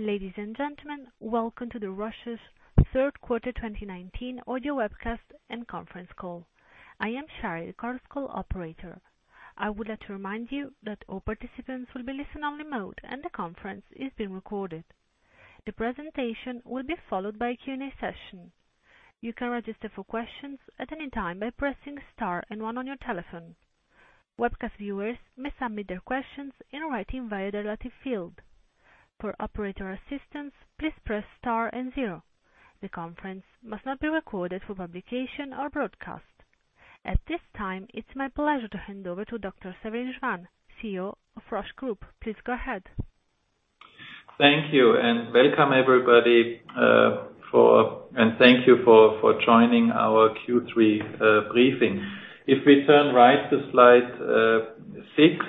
Ladies and gentlemen, welcome to the Roche's third quarter 2019 audio webcast and conference call. I am Shari, the conference call operator. I would like to remind you that all participants will be listen only mode, and the conference is being recorded. The presentation will be followed by a Q&A session. You can register for questions at any time by pressing star and one on your telephone. Webcast viewers may submit their questions in writing via the relative field. For operator assistance, please press star and zero. The conference must not be recorded for publication or broadcast. At this time, it's my pleasure to hand over to Dr. Severin Schwan, CEO of Roche Group. Please go ahead. Thank you, welcome everybody, and thank you for joining our Q3 briefing. If we turn right to slide six,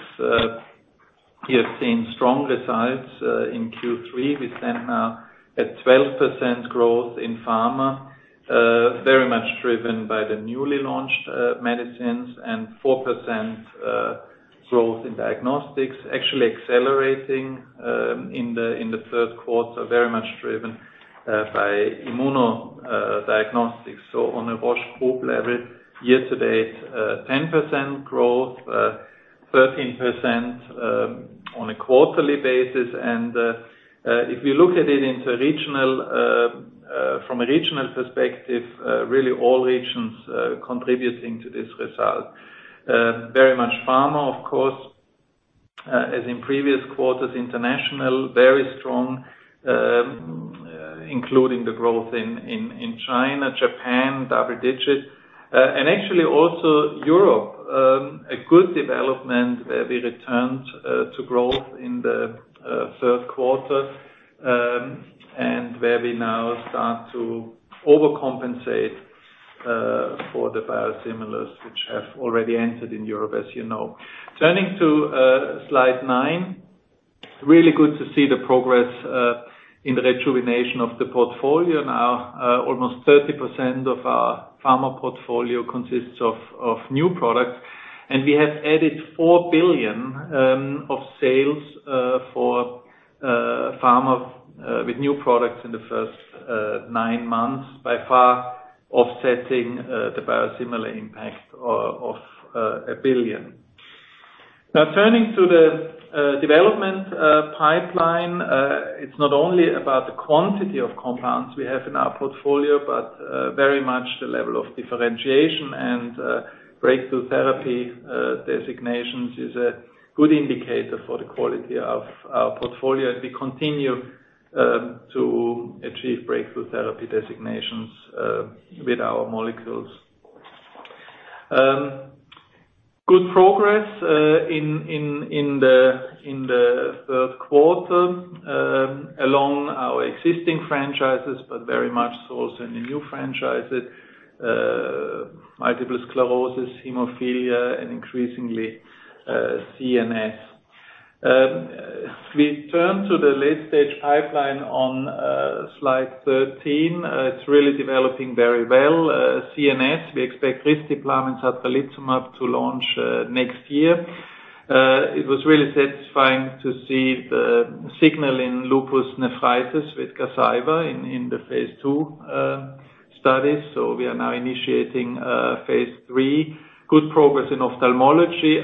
we have seen strong results in Q3. We stand now at 12% growth in pharma. Very much driven by the newly launched medicines and 4% growth in diagnostics, actually accelerating in the third quarter, very much driven by immuno diagnostics. On a Roche Group level, year to date, 10% growth, 13% on a quarterly basis. If we look at it from a regional perspective, really all regions contributing to this result. Very much pharma, of course, as in previous quarters, international, very strong, including the growth in China, Japan, double digits. Actually also Europe, a good development where we returned to growth in the third quarter, and where we now start to overcompensate for the biosimilars which have already entered in Europe, as you know. Turning to slide nine, really good to see the progress in the rejuvenation of the portfolio. Now almost 30% of our pharma portfolio consists of new products, and we have added 4 billion of sales for pharma with new products in the first nine months, by far offsetting the biosimilar impact of 1 billion. Now turning to the development pipeline. It's not only about the quantity of compounds we have in our portfolio, but very much the level of differentiation and breakthrough therapy designations is a good indicator for the quality of our portfolio as we continue to achieve breakthrough therapy designations with our molecules. Good progress in the third quarter along our existing franchises, but very much so also in the new franchises, multiple sclerosis, hemophilia and increasingly CNS. We turn to the late stage pipeline on slide 13. It's really developing very well. CNS, we expect risdiplam and satralizumab to launch next year. It was really satisfying to see the signal in lupus nephritis with Gazyva in the phase II studies. We are now initiating phase III. Good progress in ophthalmology.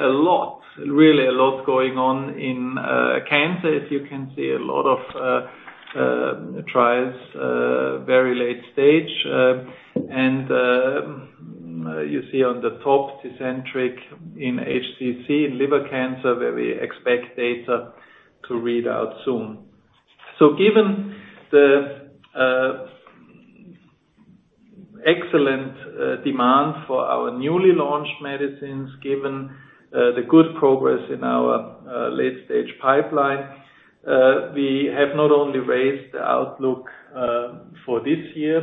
Really a lot going on in cancer. You can see, a lot of trials, very late stage. You see on the top, Tecentriq in HCC, in liver cancer, where we expect data to read out soon. Given the excellent demand for our newly launched medicines, given the good progress in our late stage pipeline, we have not only raised the outlook for this year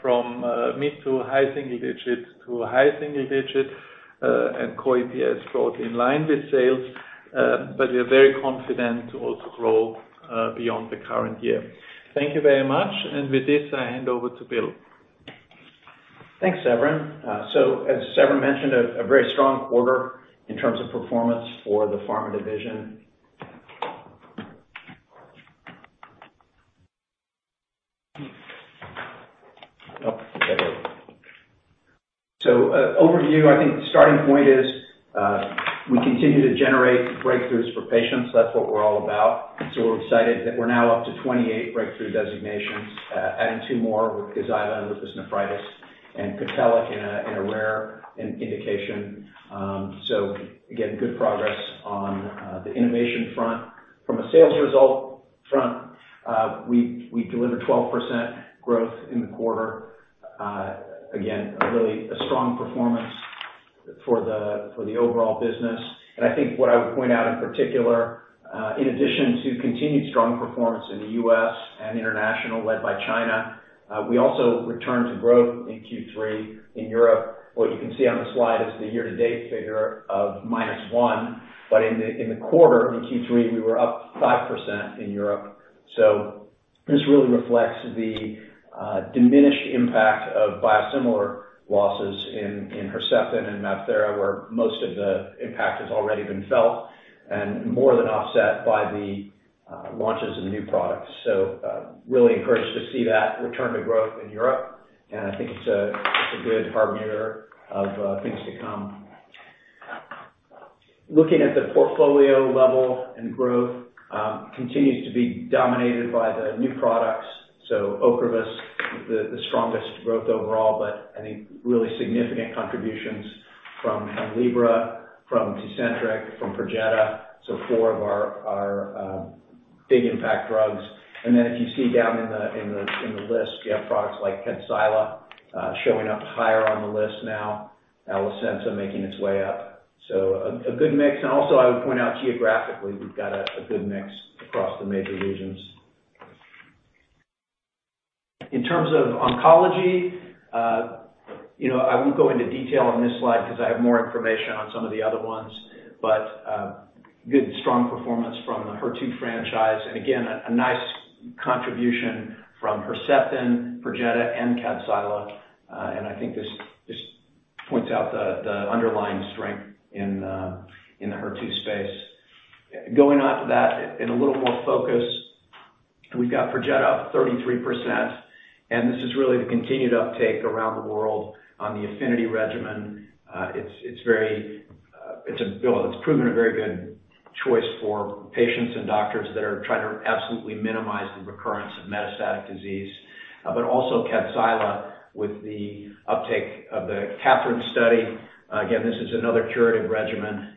from mid to high single digits to high single digits, and COGS growth in line with sales, but we are very confident to also grow beyond the current year. Thank you very much. With this, I hand over to Bill. Thanks, Severin. As Severin mentioned, a very strong quarter in terms of performance for the pharma division. Overview, I think the starting point is we continue to generate breakthroughs for patients. That's what we're all about. We're excited that we're now up to 28 breakthrough designations, adding two more with Kesarda in lupus nephritis and Cotellic in a rare indication. Again, good progress on the innovation front. From a sales result front, we delivered 12% growth in the quarter. Again, really a strong performance for the overall business. I think what I would point out in particular, in addition to continued strong performance in the U.S. and international led by China, we also returned to growth in Q3 in Europe. What you can see on the slide is the year to date figure of minus one. In the quarter in Q3, we were up 5% in Europe. This really reflects the diminished impact of biosimilar losses in Herceptin and MabThera, where most of the impact has already been felt and more than offset by the launches of new products. Really encouraged to see that return to growth in Europe, and I think it's a good harbinger of things to come. Looking at the portfolio level, growth continues to be dominated by the new products. Ocrevus, the strongest growth overall, but I think really significant contributions from Hemlibra, from Tecentriq, from Perjeta. Four of our big impact drugs. If you see down in the list, you have products like Kadcyla showing up higher on the list now, Alecensa making its way up. A good mix. Also, I would point out geographically, we've got a good mix across the major regions. In terms of oncology, I won't go into detail on this slide because I have more information on some of the other ones, good, strong performance from the HER2 franchise. Again, a nice contribution from Herceptin, Perjeta, and Kadcyla. I think this points out the underlying strength in the HER2 space. Going on to that in a little more focus, we've got Perjeta up 33%, this is really the continued uptake around the world on the APHINITY regimen. It's proven a very good choice for patients and doctors that are trying to absolutely minimize the recurrence of metastatic disease, also Kadcyla with the uptake of the KATHERINE study. Again, this is another curative regimen,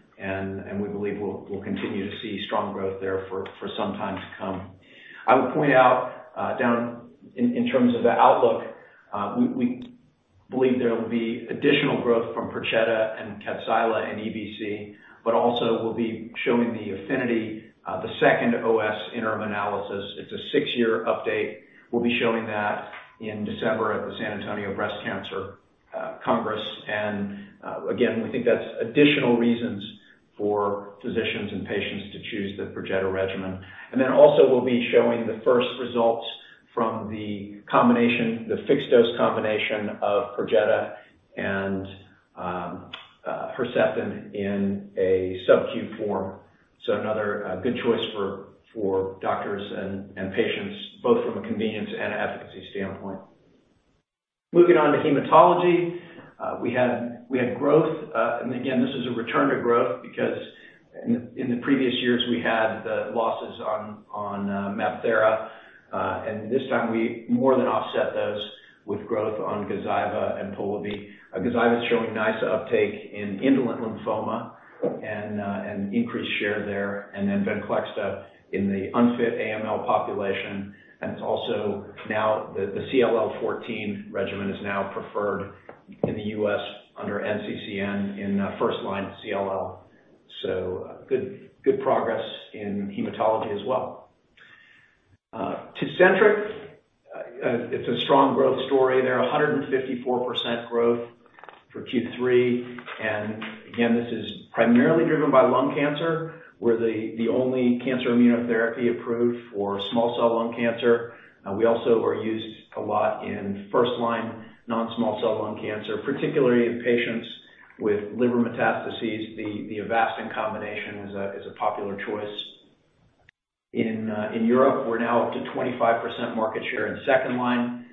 we believe we'll continue to see strong growth there for some time to come. I would point out down in terms of the outlook, we believe there will be additional growth from Perjeta and Kadcyla in EBC. We'll be showing the APHINITY, the second OS interim analysis. It's a six-year update. We'll be showing that in December at the San Antonio Breast Cancer Symposium. Again, we think that's additional reasons for physicians and patients to choose the Perjeta regimen. We'll be showing the first results from the fixed-dose combination of Perjeta and Herceptin in a SubQ form. Another good choice for doctors and patients, both from a convenience and efficacy standpoint. Looking on to hematology. We had growth. Again, this is a return to growth because in the previous years, we had the losses on MabThera. This time, we more than offset those with growth on GAZYVA and Polivy. GAZYVA is showing nice uptake in indolent lymphoma and increased share there, and then VENCLEXTA in the unfit AML population. It's also now the CLL 14 regimen is now preferred in the U.S. under NCCN in first-line CLL. Good progress in hematology as well. Tecentriq, it's a strong growth story there, 154% growth for Q3. Again, this is primarily driven by lung cancer. We're the only cancer immunotherapy approved for small cell lung cancer. We also are used a lot in first-line non-small cell lung cancer, particularly in patients with liver metastases. The Avastin combination is a popular choice. In Europe, we're now up to 25% market share in second-line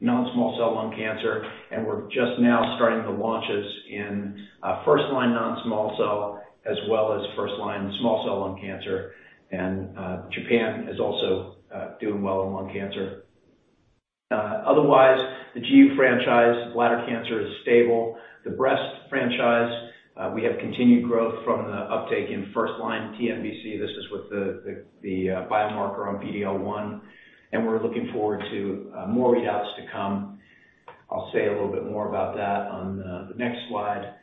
non-small cell lung cancer, and we're just now starting the launches in first-line non-small cell as well as first line small cell lung cancer. Japan is also doing well in lung cancer. Otherwise, the GU franchise, bladder cancer is stable. The breast franchise, we have continued growth from the uptake in first-line TNBC. This is with the biomarker on PD-L1. We're looking forward to more readouts to come. I'll say a little bit more about that on the next slide.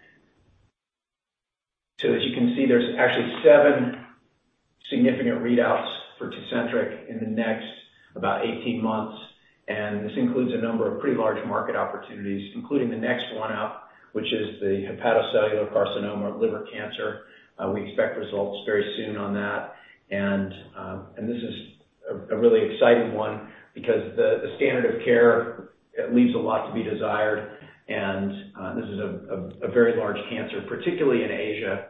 As you can see, there's actually seven significant readouts for Tecentriq in the next about 18 months. This includes a number of pretty large market opportunities, including the next one up, which is the hepatocellular carcinoma liver cancer. We expect results very soon on that. This is a really exciting one because the standard of care leaves a lot to be desired. This is a very large cancer, particularly in Asia.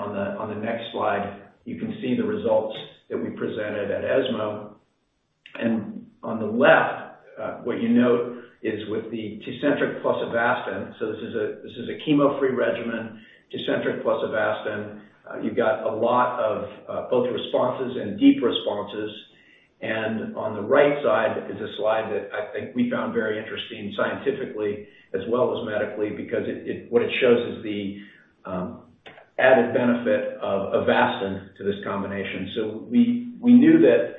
On the next slide, you can see the results that we presented at ESMO. On the left, what you note is with the Tecentriq plus Avastin. This is a chemo-free regimen, Tecentriq plus Avastin. You've got a lot of both responses and deep responses. On the right side is a slide that I think we found very interesting scientifically as well as medically because what it shows is the added benefit of Avastin to this combination. We knew that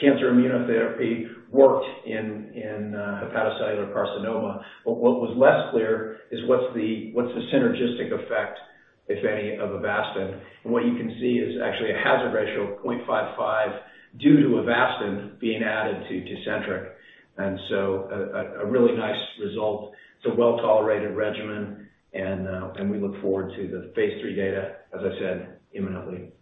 cancer immunotherapy worked in hepatocellular carcinoma, but what was less clear is what's the synergistic effect, if any, of Avastin? What you can see is actually a hazard ratio of 0.55 due to Avastin being added to Tecentriq, a really nice result. It's a well-tolerated regimen, we look forward to the phase III data, as I said, imminently.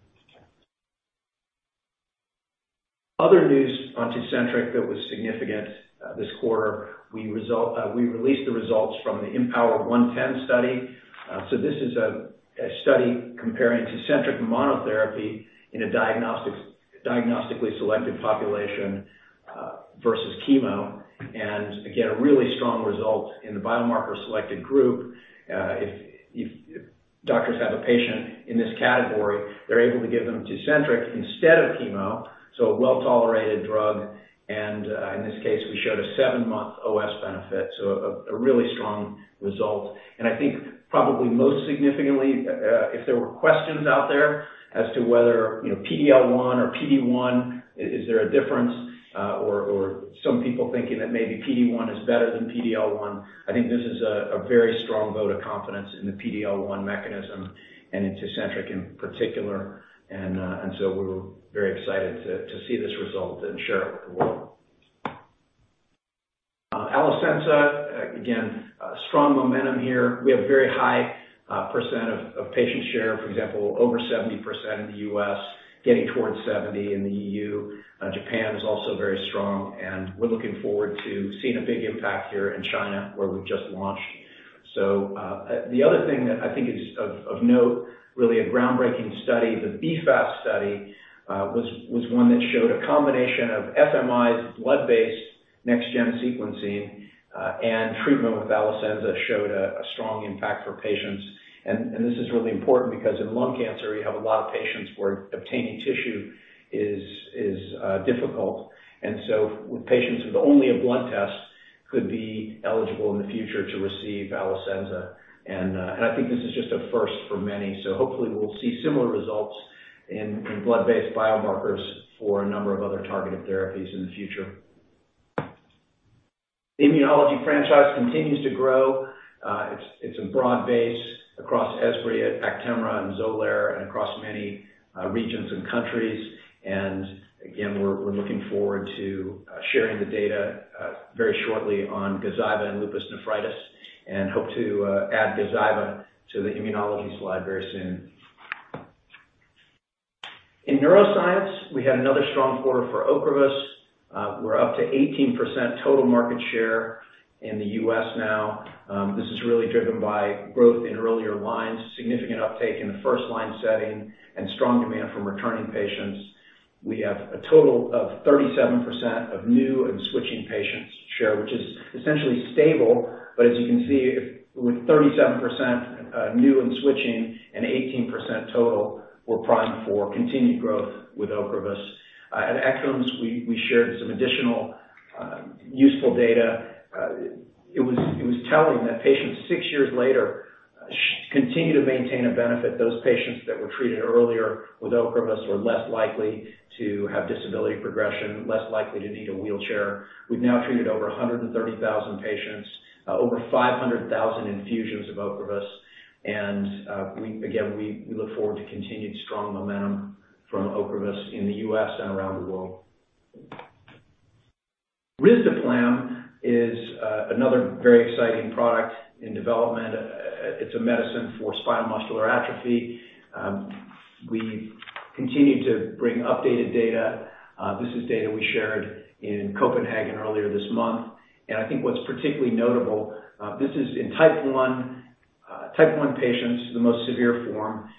Other news on Tecentriq that was significant this quarter, we released the results from the IMpower110 study. This is a study comparing Tecentriq monotherapy in a diagnostically selected population versus chemo. Again, a really strong result in the biomarker selected group. If doctors have a patient in this category, they are able to give them Tecentriq instead of chemo, so a well-tolerated drug, and in this case, we showed a seven-month OS benefit. A really strong result. I think probably most significantly, if there were questions out there as to whether PD-L1 or PD-1, is there a difference? Some people thinking that maybe PD-1 is better than PD-L1, I think this is a very strong vote of confidence in the PD-L1 mechanism and in Tecentriq in particular. We are very excited to see this result and share it with the world. Alecensa, again, strong momentum here. We have a very high % of patient share. For example, over 70% in the U.S., getting towards 70% in the EU. Japan is also very strong. We're looking forward to seeing a big impact here in China, where we've just launched. The other thing that I think is of note, really a groundbreaking study, the BFAST study was one that showed a combination of FMI's blood-based next gen sequencing and treatment with Alecensa showed a strong impact for patients. This is really important because in lung cancer, you have a lot of patients where obtaining tissue is difficult. Patients with only a blood test could be eligible in the future to receive Alecensa. I think this is just a first for many, so hopefully we'll see similar results in blood-based biomarkers for a number of other targeted therapies in the future. The immunology franchise continues to grow. It's a broad base across Esbriet, ACTEMRA, and XOLAIR, and across many regions and countries. Again, we're looking forward to sharing the data very shortly on GAZYVA and lupus nephritis, and hope to add GAZYVA to the immunology slide very soon. In neuroscience, we had another strong quarter for Ocrevus. We're up to 18% total market share in the U.S. now. This is really driven by growth in earlier lines, significant uptake in the first line setting, and strong demand from returning patients. We have a total of 37% of new and switching patients share, which is essentially stable, as you can see, with 37% new and switching and 18% total, we're primed for continued growth with Ocrevus. At ECTRIMS, we shared some additional useful data. It was telling that patients six years later continue to maintain a benefit. Those patients that were treated earlier with Ocrevus were less likely to have disability progression, less likely to need a wheelchair. We've now treated over 130,000 patients, over 500,000 infusions of Ocrevus, again, we look forward to continued strong momentum from Ocrevus in the U.S. and around the world. Risdiplam is another very exciting product in development. It's a medicine for spinal muscular atrophy. We continue to bring updated data. This is data we shared in Copenhagen earlier this month. I think what's particularly notable, this is in type 1 patients, the most severe form.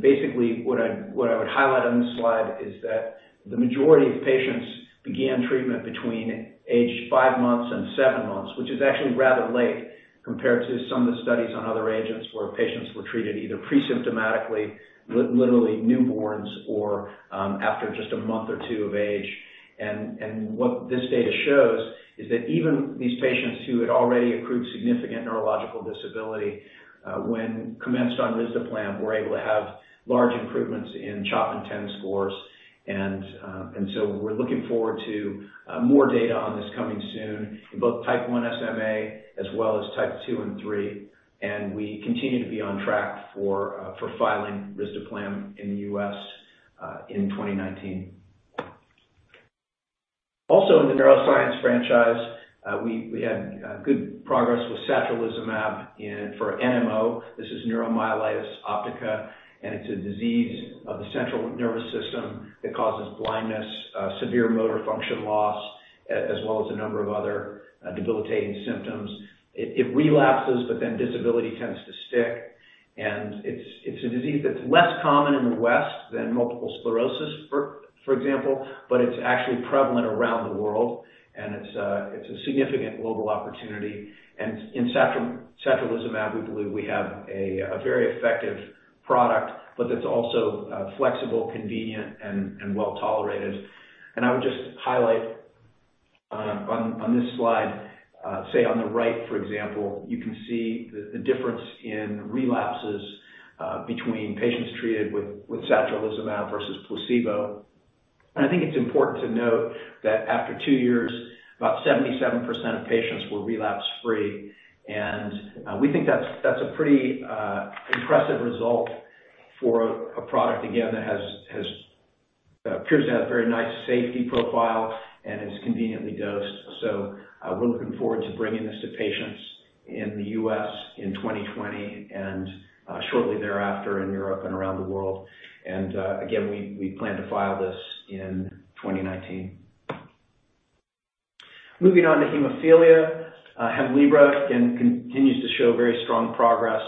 Basically what I would highlight on this slide is that the majority of patients began treatment between age five months and seven months, which is actually rather late compared to some of the studies on other agents, where patients were treated either pre-symptomatically, literally newborns, or after just a month or two of age. What this data shows is that even these patients who had already accrued significant neurological disability when commenced on risdiplam, were able to have large improvements in CHOP INTEND scores. So we're looking forward to more data on this coming soon in both type 1 SMA as well as type 2 and 3. We continue to be on track for filing risdiplam in the U.S. in 2019. Also in the neuroscience franchise, we had good progress with satralizumab for NMO. This is neuromyelitis optica. It's a disease of the central nervous system that causes blindness, severe motor function loss, as well as a number of other debilitating symptoms. It relapses, but then disability tends to stick. It's a disease that's less common in the West than multiple sclerosis, for example, but it's actually prevalent around the world, and it's a significant global opportunity. In satralizumab, we believe we have a very effective product, but that's also flexible, convenient, and well-tolerated. I would just highlight on this slide, say, on the right, for example, you can see the difference in relapses between patients treated with satralizumab versus placebo. I think it's important to note that after two years, about 77% of patients were relapse-free, and we think that's a pretty impressive result for a product, again, that appears to have a very nice safety profile and is conveniently dosed. We're looking forward to bringing this to patients in the U.S. in 2020, and shortly thereafter in Europe and around the world. Again, we plan to file this in 2019. Moving on to hemophilia. Hemlibra continues to show very strong progress.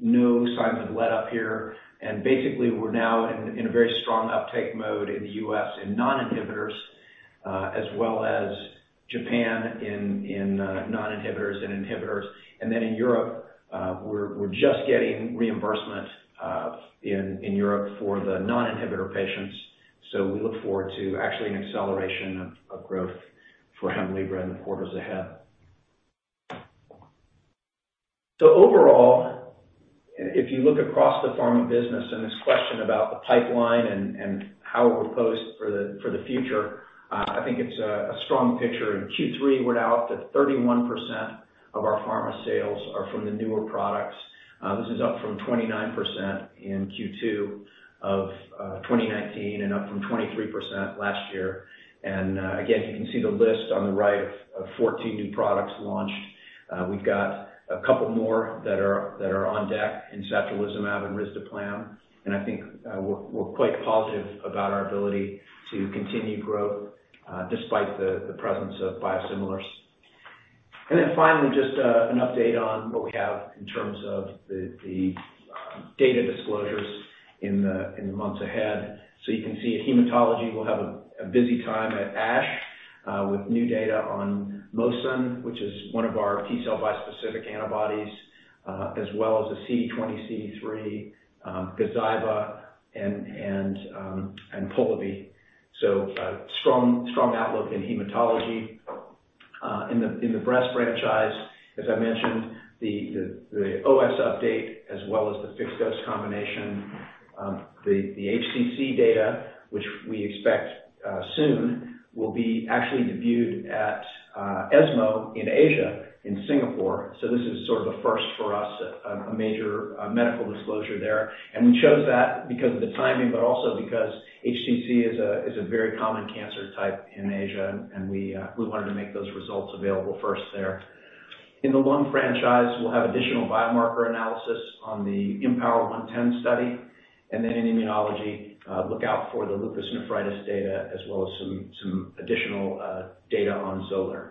No signs of let-up here. We're now in a very strong uptake mode in the U.S. in non-inhibitors, as well as Japan in non-inhibitors and inhibitors. In Europe, we're just getting reimbursement in Europe for the non-inhibitor patients. We look forward to actually an acceleration of growth for Hemlibra in the quarters ahead. Overall, if you look across the pharma business and this question about the pipeline and how we're posed for the future, I think it's a strong picture. In Q3, we're now up to 31% of our pharma sales are from the newer products. This is up from 29% in Q2 of 2019 and up from 23% last year. Again, you can see the list on the right of 14 new products launched. We've got a couple more that are on deck in satralizumab and risdiplam, and I think we're quite positive about our ability to continue growth despite the presence of biosimilars. Then finally, just an update on what we have in terms of the data disclosures in the months ahead. You can see hematology will have a busy time at ASH with new data on mosunetuzumab, which is one of our T-cell bispecific antibodies, as well as the CD20/CD3, GAZYVA, and Polivy. A strong outlook in hematology. In the breast franchise, as I mentioned, the OS update as well as the fixed-dose combination. The HCC data, which we expect soon, will be actually debuted at ESMO in Asia, in Singapore. This is sort of a first for us, a major medical disclosure there. We chose that because of the timing, but also because HCC is a very common cancer type in Asia, and we wanted to make those results available first there. In the lung franchise, we'll have additional biomarker analysis on the IMpower110 study. In immunology, look out for the lupus nephritis data as well as some additional data on XOLAIR.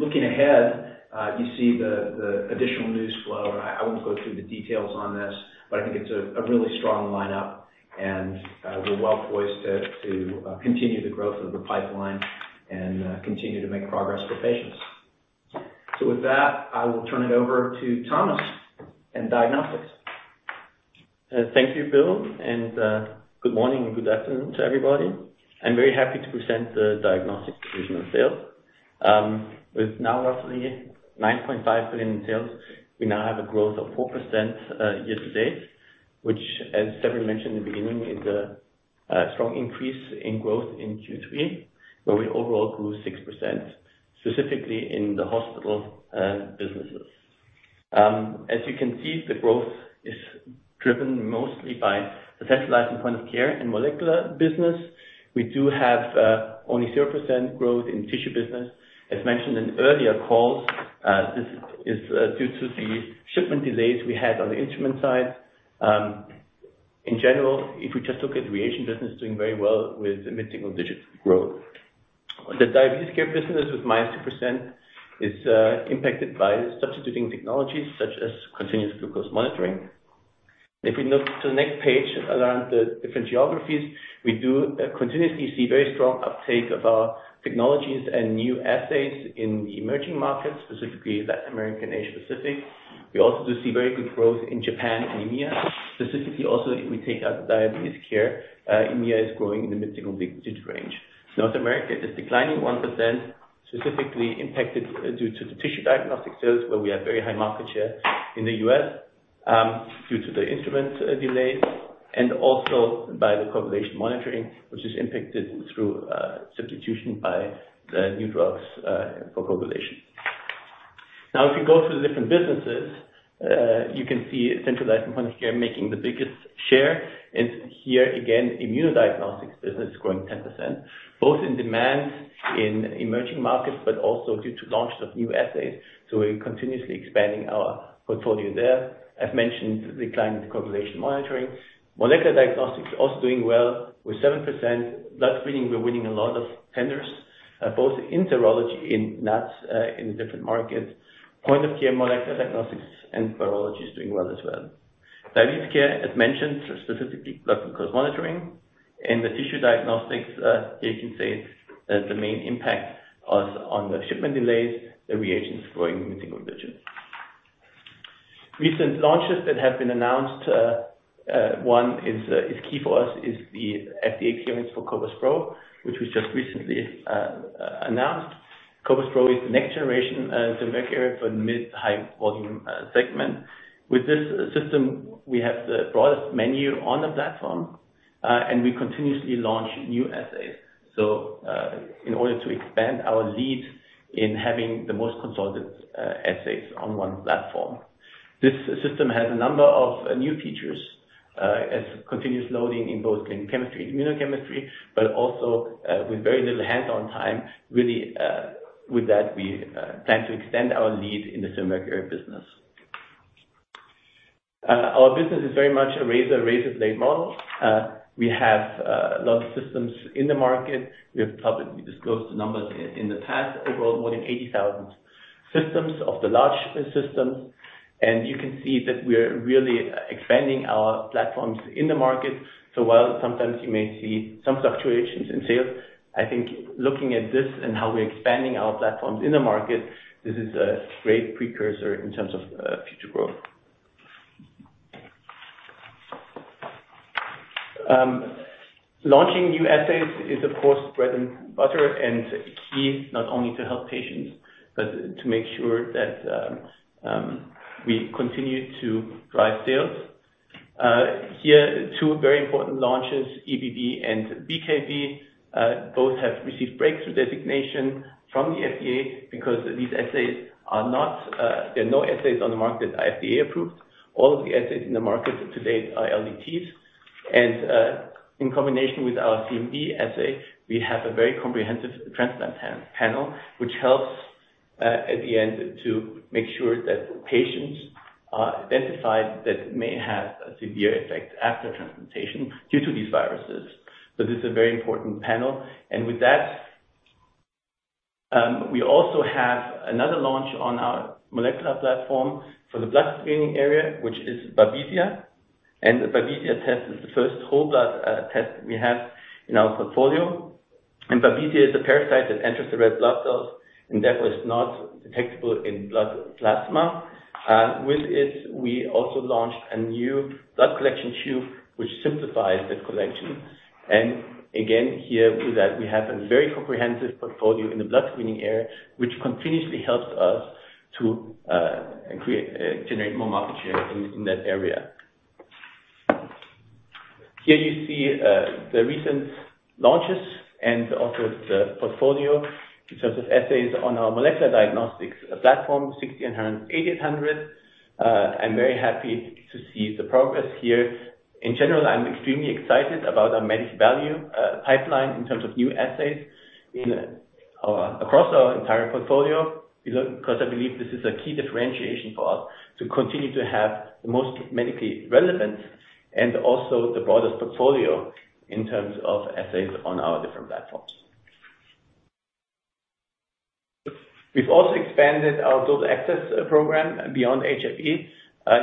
Looking ahead, you see the additional news flow. I won't go through the details on this, but I think it's a really strong lineup, and we're well poised to continue the growth of the pipeline and continue to make progress for patients. With that, I will turn it over to Thomas in diagnostics. Thank you, Bill, good morning and good afternoon to everybody, and very happy to present the Diagnostics division of sales. With now roughly 9.5 billion in sales, we now have a growth of 4% year-to-date, which, as Severin mentioned in the beginning, is a strong increase in growth in Q3, where we overall grew 6%, specifically in the Hospital businesses. As you can see, the growth is driven mostly by the Centralized and Point-of-Care and Molecular business. We do have only 0% growth in Tissue business. As mentioned in earlier calls, this is due to the shipment delays we had on the instrument side. In general, if we just look at Reagent business, doing very well with the mid-single-digit growth. The Diabetes Care business with minus 2% is impacted by substituting technologies such as continuous glucose monitoring. If we look to the next page around the different geographies, we do continuously see very strong uptake of our technologies and new assays in the emerging markets, specifically Latin American and Asia Pacific. We also do see very good growth in Japan and EMEA. Specifically also, if we take out diabetes care, EMEA is growing in the mid-single-digit range. North America is declining 1%, specifically impacted due to the tissue diagnostic sales, where we have very high market share in the U.S. due to the instrument delay and also by the coagulation monitoring, which is impacted through substitution by the new drugs for coagulation. If you go through the different businesses, you can see centralized and point of care making the biggest share. Here again, immune diagnostics business growing 10%, both in demand in emerging markets but also due to launches of new assays. We're continuously expanding our portfolio there. I've mentioned decline in coagulation monitoring. Molecular diagnostics also doing well with 7%. That's meaning we're winning a lot of tenders, both in serology, in NAATs, in the different markets. Point-of-care molecular diagnostics and virology is doing well as well. Diabetes care, as mentioned, specifically blood glucose monitoring and the tissue diagnostics, as you can see, the main impact on the shipment delays, the reagents growing mid-single digits. Recent launches that have been announced. One is key for us is the FDA clearance for cobas pro, which we just recently announced. cobas pro is the next generation system vector for the mid high volume segment. With this system, we have the broadest menu on the platform, and we continuously launch new assays. In order to expand our lead in having the most consolidated assays on one platform. This system has a number of new features. As continuous loading in both chemistry, immunochemistry, but also with very little hands-on time. Really with that, we plan to extend our lead in the serum work area business. Our business is very much a razor blade model. We have a lot of systems in the market. We have publicly disclosed the numbers in the past, overall more than 80,000 systems of the large systems. You can see that we're really expanding our platforms in the market. While sometimes you may see some fluctuations in sales, I think looking at this and how we're expanding our platforms in the market, this is a great precursor in terms of future growth. Launching new assays is, of course, bread and butter, and key, not only to help patients, but to make sure that we continue to drive sales. Two very important launches, EBV and BKV, both have received breakthrough therapy designation from the FDA because these assays are not. There are no assays on the market FDA approved. All of the assays in the market to date are LDTs. In combination with our CMV assay, we have a very comprehensive transplant panel, which helps at the end to make sure that patients are identified that may have a severe effect after transplantation due to these viruses. This is a very important panel. With that, we also have another launch on our molecular platform for the blood screening area, which is Babesia. The Babesia test is the first whole blood test we have in our portfolio. Babesia is a parasite that enters the red blood cells and that was not detectable in blood plasma. With it, we also launched a new blood collection tube, which simplifies the collection. Again, here with that, we have a very comprehensive portfolio in the blood screening area, which continuously helps us to generate more market share in that area. Here you see the recent launches and also the portfolio in terms of assays on our molecular diagnostics platform, cobas 6800 and cobas 8800. I'm very happy to see the progress here. In general, I'm extremely excited about our medical value pipeline in terms of new assays across our entire portfolio, because I believe this is a key differentiation for us to continue to have the most medically relevant and also the broadest portfolio in terms of assays on our different platforms. We've also expanded our global access program beyond HIV.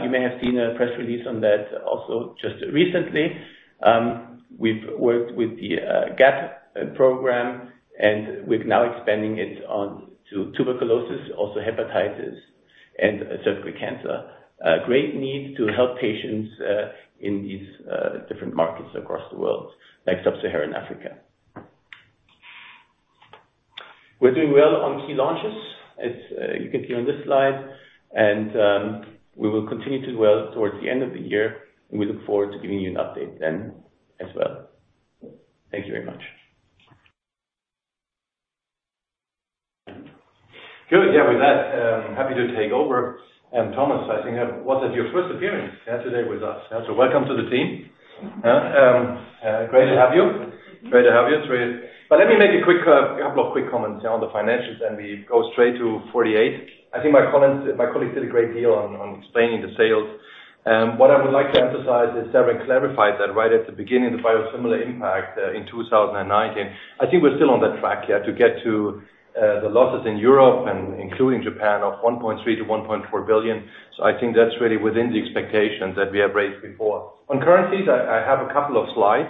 You may have seen a press release on that also just recently. We've worked with the GAP program, and we're now expanding it on to tuberculosis, also hepatitis, and cervical cancer. A great need to help patients in these different markets across the world, like sub-Saharan Africa. We're doing well on key launches, as you can see on this slide, and we will continue to do well towards the end of the year, and we look forward to giving you an update then as well. Thank you very much. Good. Yeah, with that, happy to take over. Thomas, I think that was your first appearance yesterday with us. Welcome to the team. Great to have you. Let me make a couple of quick comments on the financials, and we go straight to 48. I think my colleagues did a great deal on explaining the sales. What I would like to emphasize is, Severin Schwan clarified that right at the beginning, the biosimilar impact in 2019. I think we are still on that track here to get to the losses in Europe and including Japan of 1.3 billion to 1.4 billion. I think that is really within the expectations that we have raised before. On currencies, I have a couple of slides.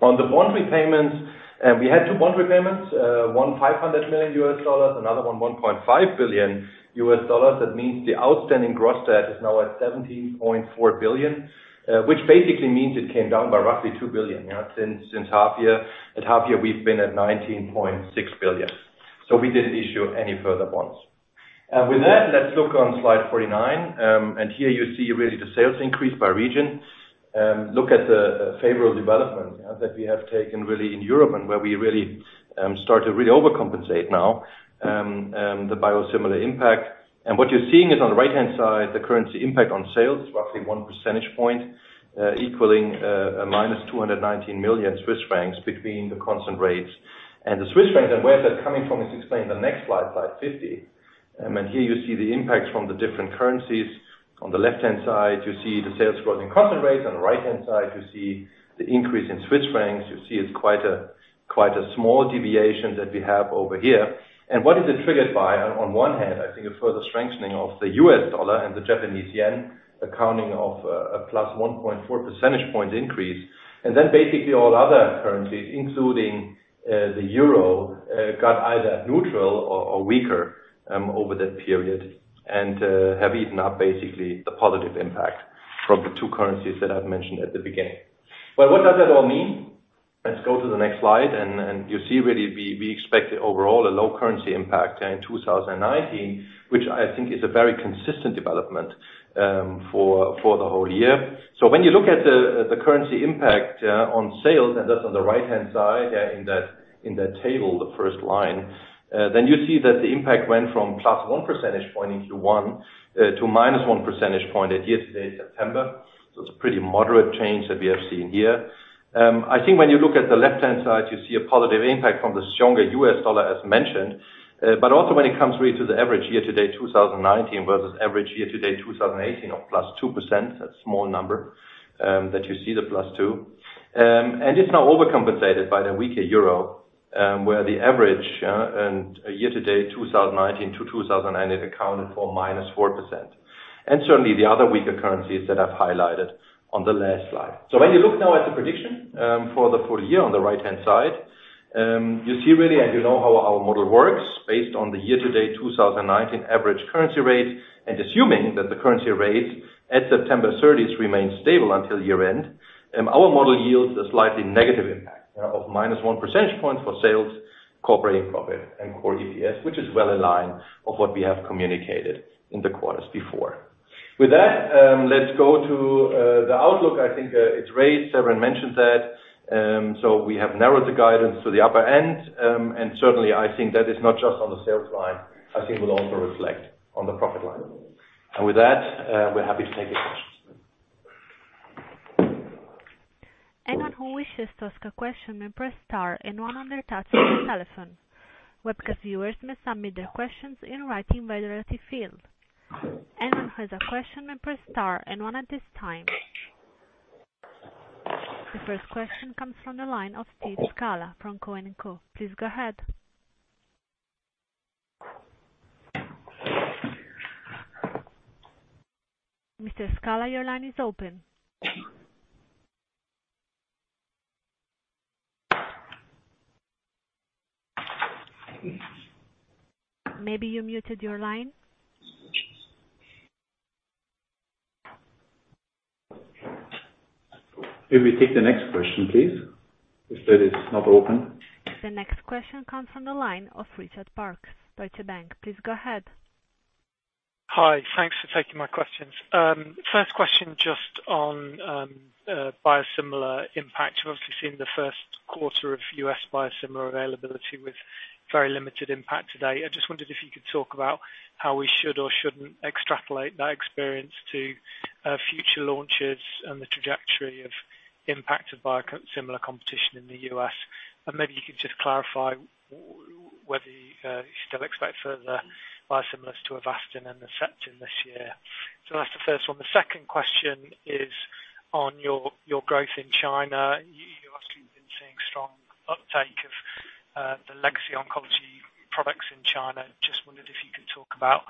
On the bond repayments, we had two bond repayments, one $500 million, another one $1.5 billion. That means the outstanding gross debt is now at 17.4 billion, which basically means it came down by roughly 2 billion. Since half year, we've been at 19.6 billion. We didn't issue any further bonds. With that, let's look on slide 49. Here you see really the sales increase by region. Look at the favorable development that we have taken really in Europe and where we start to really overcompensate now the biosimilar impact. What you're seeing is on the right-hand side, the currency impact on sales, roughly 1 percentage point, equaling a minus 219 million Swiss francs between the constant rates. The CHF and where they're coming from is explained in the next slide 50. Here you see the impacts from the different currencies. On the left-hand side, you see the sales growth in constant rates. On the right-hand side, you see the increase in Swiss francs. You see it's quite a small deviation that we have over here. What is it triggered by? On one hand, I think a further strengthening of the US dollar and the Japanese yen, accounting of a plus 1.4 percentage point increase. Basically all other currencies, including the euro, got either neutral or weaker over that period and have eaten up basically the positive impact from the two currencies that I've mentioned at the beginning. What does that all mean? Let's go to the next slide. You see really we expect overall a low currency impact in 2019, which I think is a very consistent development for the whole year. When you look at the currency impact on sales, and that's on the right-hand side there in that table, the first line, you see that the impact went from +1 percentage point in Q1 to -1 percentage point at year-to-date September. It's a pretty moderate change that we have seen here. I think when you look at the left-hand side, you see a positive impact from the stronger US dollar as mentioned. Also when it comes really to the average year-to-date 2019 versus average year-to-date 2018 of +2%, a small number that you see the +2. It's now overcompensated by the weaker euro, where the average year-to-date 2019 to 2018 accounted for -4%. Certainly the other weaker currencies that I've highlighted on the last slide. When you look now at the prediction for the full year on the right-hand side, you see really, and you know how our model works, based on the year-to-date 2019 average currency rate, and assuming that the currency rates at September 30th remain stable until year-end, our model yields a slightly negative impact of minus one percentage point for sales, core profit, and core EPS, which is well in line of what we have communicated in the quarters before. With that, let's go to the outlook. I think it's raised, Severin mentioned that. Certainly I think that is not just on the sales line, I think it will also reflect on the profit line. With that, we're happy to take your questions. Anyone who wishes to ask a question may press star and one on their touch tone telephone. Webcast viewers may submit their questions in writing via the relative field. Anyone who has a question may press star and one at this time. The first question comes from the line of Steve Scala from Cowen & Co.. Please go ahead. Mr. Scala, your line is open. Maybe you muted your line. Can we take the next question, please, if that is not open? The next question comes from the line of Richard Parkes, Deutsche Bank. Please go ahead. Hi, thanks for taking my questions. First question just on biosimilar impact. We've obviously seen the first quarter of U.S. biosimilar availability with very limited impact today. I just wondered if you could talk about how we should or shouldn't extrapolate that experience to future launches and the trajectory of impact of biosimilar competition in the U.S. Maybe you could just clarify whether you should still expect further biosimilars to Avastin and Herceptin this year. That's the first one. The second question is on your growth in China. You obviously have been seeing strong uptake of the legacy oncology products in China. Just wondered if you could talk about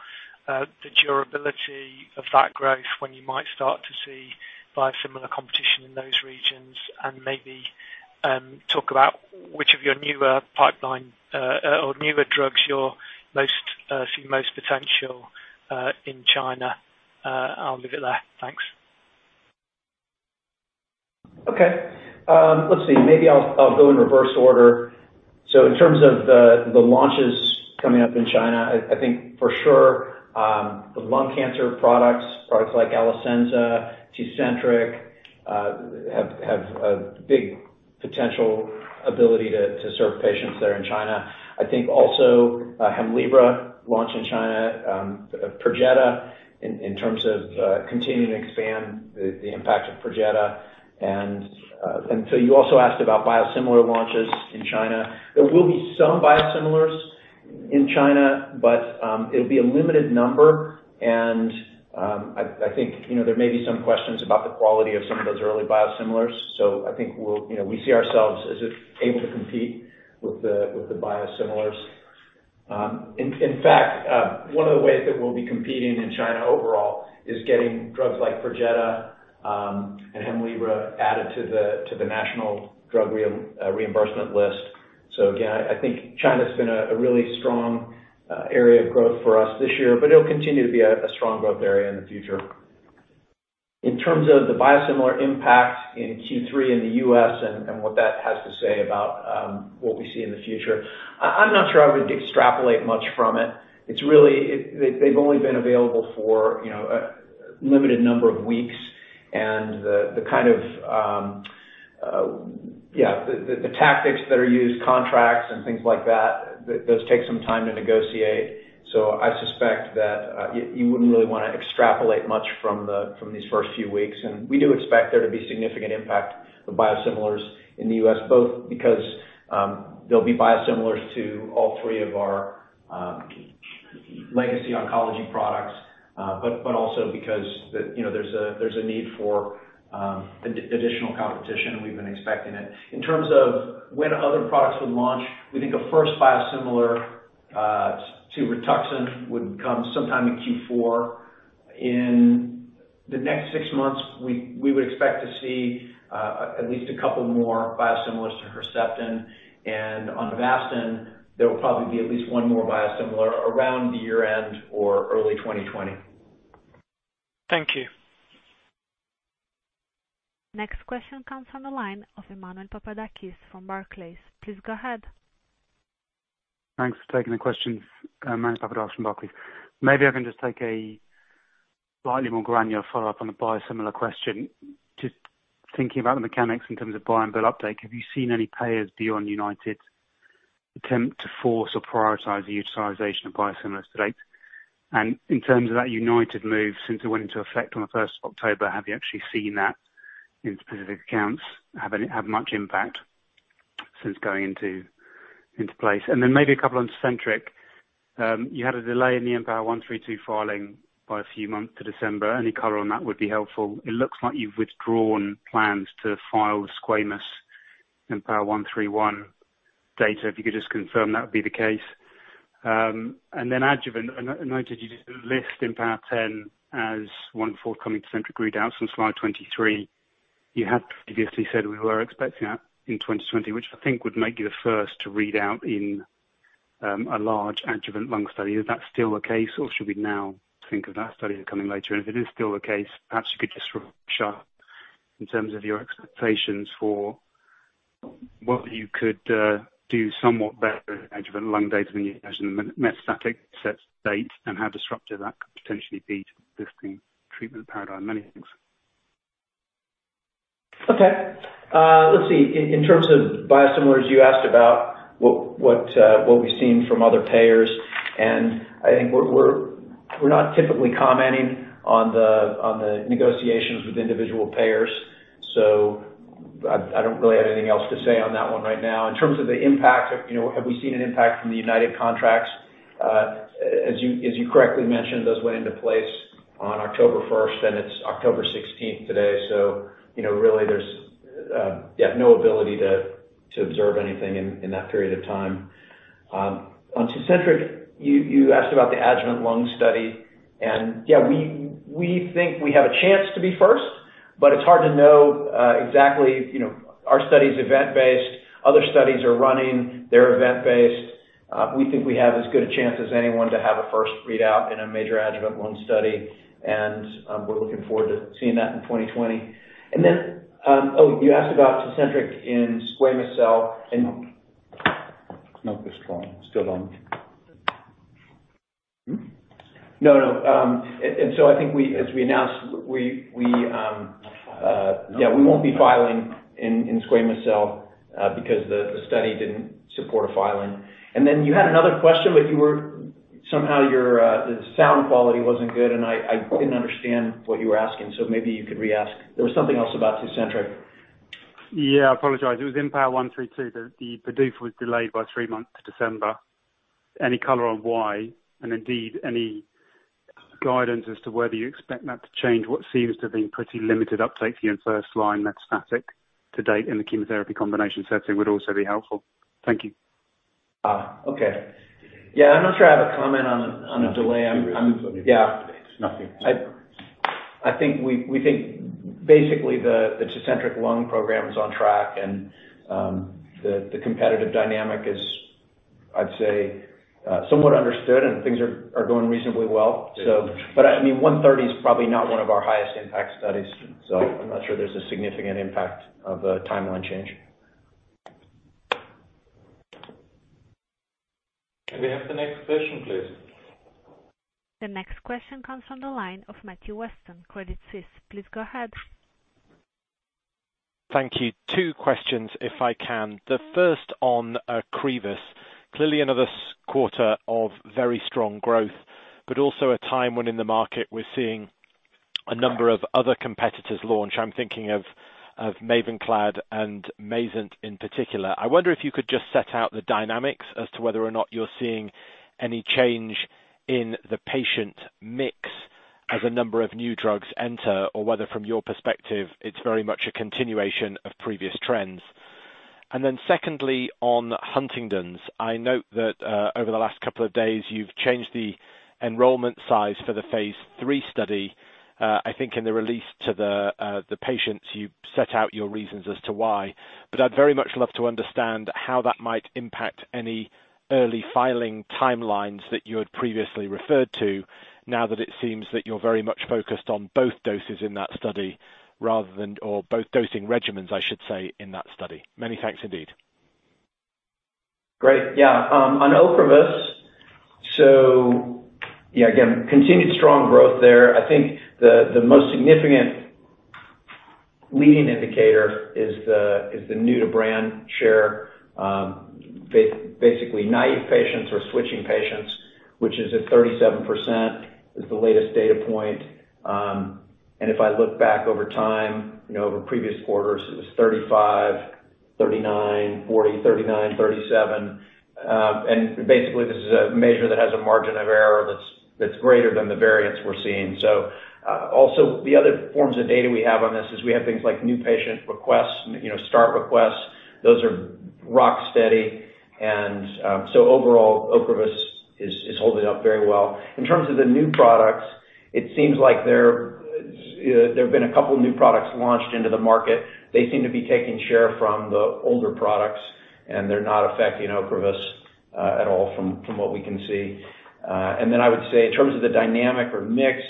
the durability of that growth, when you might start to see biosimilar competition in those regions, and maybe talk about which of your newer pipeline or newer drugs you see most potential in China. I'll leave it there. Thanks. Okay. Let's see. Maybe I'll go in reverse order. In terms of the launches coming up in China, I think for sure, the lung cancer products like Alecensa, Tecentriq, have a big potential ability to serve patients there in China. I think also Hemlibra launch in China, Perjeta in terms of continuing to expand the impact of Perjeta. You also asked about biosimilar launches in China. There will be some biosimilars in China, but it'll be a limited number, and I think there may be some questions about the quality of some of those early biosimilars. I think we see ourselves as able to compete with the biosimilars. In fact, one of the ways that we'll be competing in China overall is getting drugs like Perjeta and Hemlibra added to the National Reimbursement Drug List. Again, I think China's been a really strong area of growth for us this year, but it'll continue to be a strong growth area in the future. In terms of the biosimilar impact in Q3 in the U.S. and what that has to say about what we see in the future, I'm not sure I would extrapolate much from it. They've only been available for a limited number of weeks and the tactics that are used, contracts and things like that, those take some time to negotiate. I suspect that you wouldn't really want to extrapolate much from these first few weeks, and we do expect there to be significant impact of biosimilars in the U.S., both because there'll be biosimilars to all three of our legacy oncology products, but also because there's a need for additional competition, and we've been expecting it. In terms of when other products would launch, we think a first biosimilar to Rituxan would come sometime in Q4. In the next six months, we would expect to see at least a couple more biosimilars to Herceptin. On Avastin, there will probably be at least one more biosimilar around the year-end or early 2020. Thank you. Next question comes from the line of Emmanuel Papadakis from Barclays. Please go ahead. Thanks for taking the questions. Emmanuel Papadakis from Barclays. I can just take a slightly more granular follow-up on the biosimilar question. Thinking about the mechanics in terms of buy and bill update, have you seen any payers beyond United attempt to force or prioritize the utilization of biosimilars to date? In terms of that United move, since it went into effect on the 1st of October, have you actually seen that in specific accounts? Have any had much impact since going into place? A couple on Tecentriq. You had a delay in the IMpower132 filing by a few months to December. Any color on that would be helpful. It looks like you've withdrawn plans to file the squamous IMpower131 data. If you could just confirm that would be the case. Adjuvant, I noted you list IMpower010 as one forthcoming Tecentriq readouts on slide 23. You had previously said we were expecting that in 2020, which I think would make you the first to read out in a large adjuvant lung study. Is that still the case, or should we now think of that study as coming later? If it is still the case, perhaps you could just refresh us in terms of your expectations for what you could do somewhat better adjuvant lung data than you imagine in metastatic setting, and how disruptive that could potentially be to the treatment paradigm. Many thanks. Okay. Let's see. In terms of biosimilars, you asked about what we've seen from other payers. I think we're not typically commenting on the negotiations with individual payers. I don't really have anything else to say on that one right now. In terms of the impact, have we seen an impact from the United contracts? As you correctly mentioned, those went into place on October 1st. It's October 16th today. Really, there's no ability to observe anything in that period of time. On Tecentriq, you asked about the adjuvant lung study. Yeah, we think we have a chance to be first, but it's hard to know exactly. Our study's event-based. Other studies are running. They're event-based. We think we have as good a chance as anyone to have a first readout in a major adjuvant lung study, and we're looking forward to seeing that in 2020. Oh, you asked about Tecentriq in squamous cell. No. Not this one. Still don't. No. I think as we announced. File. Yeah, we won't be filing in squamous cell, because the study didn't support a filing. You had another question, but somehow the sound quality wasn't good, and I didn't understand what you were asking, maybe you could re-ask. There was something else about Tecentriq. Yeah, I apologize. It was IMpower132, the PDUFA was delayed by three months to December. Any color on why, and indeed, any guidance as to whether you expect that to change what seems to have been pretty limited uptake for your first-line metastatic to date in the chemotherapy combination setting would also be helpful. Thank you. Okay. I'm not sure I have a comment on a delay. Nothing. Yeah. Nothing. I think, we think basically the Tecentriq lung program is on track and the competitive dynamic is, I'd say, somewhat understood, and things are going reasonably well. I mean, 130 is probably not one of our highest impact studies, so I'm not sure there's a significant impact of a timeline change. Can we have the next question, please? The next question comes from the line of Matthew Weston, Credit Suisse. Please go ahead. Thank you. Two questions, if I can. The first on Ocrevus. Also a time when in the market we're seeing a number of other competitors launch. I'm thinking of MAVENCLAD and MAYZENT in particular. I wonder if you could just set out the dynamics as to whether or not you're seeing any change in the patient mix as a number of new drugs enter, or whether from your perspective, it's very much a continuation of previous trends. Then secondly, on Huntington's. I note that over the last couple of days, you've changed the enrollment size for the phase III study. I think in the release to the patients, you set out your reasons as to why. I'd very much love to understand how that might impact any early filing timelines that you had previously referred to, now that it seems that you're very much focused on both doses in that study, rather than or both dosing regimens, I should say, in that study. Many thanks indeed. Great. On Ocrevus, again, continued strong growth there. I think the most significant leading indicator is the new to brand share. Basically naive patients or switching patients, which is at 37%, is the latest data point. If I look back over time, over previous quarters, it was 35, 39, 40, 39, 37. Basically, this is a measure that has a margin of error that's greater than the variance we're seeing. Also, the other forms of data we have on this is we have things like new patient requests, start requests. Those are rock steady. Overall, Ocrevus is holding up very well. In terms of the new products, it seems like there have been a couple of new products launched into the market. They seem to be taking share from the older products, they're not affecting Ocrevus at all from what we can see. I would say in terms of the dynamic or mix,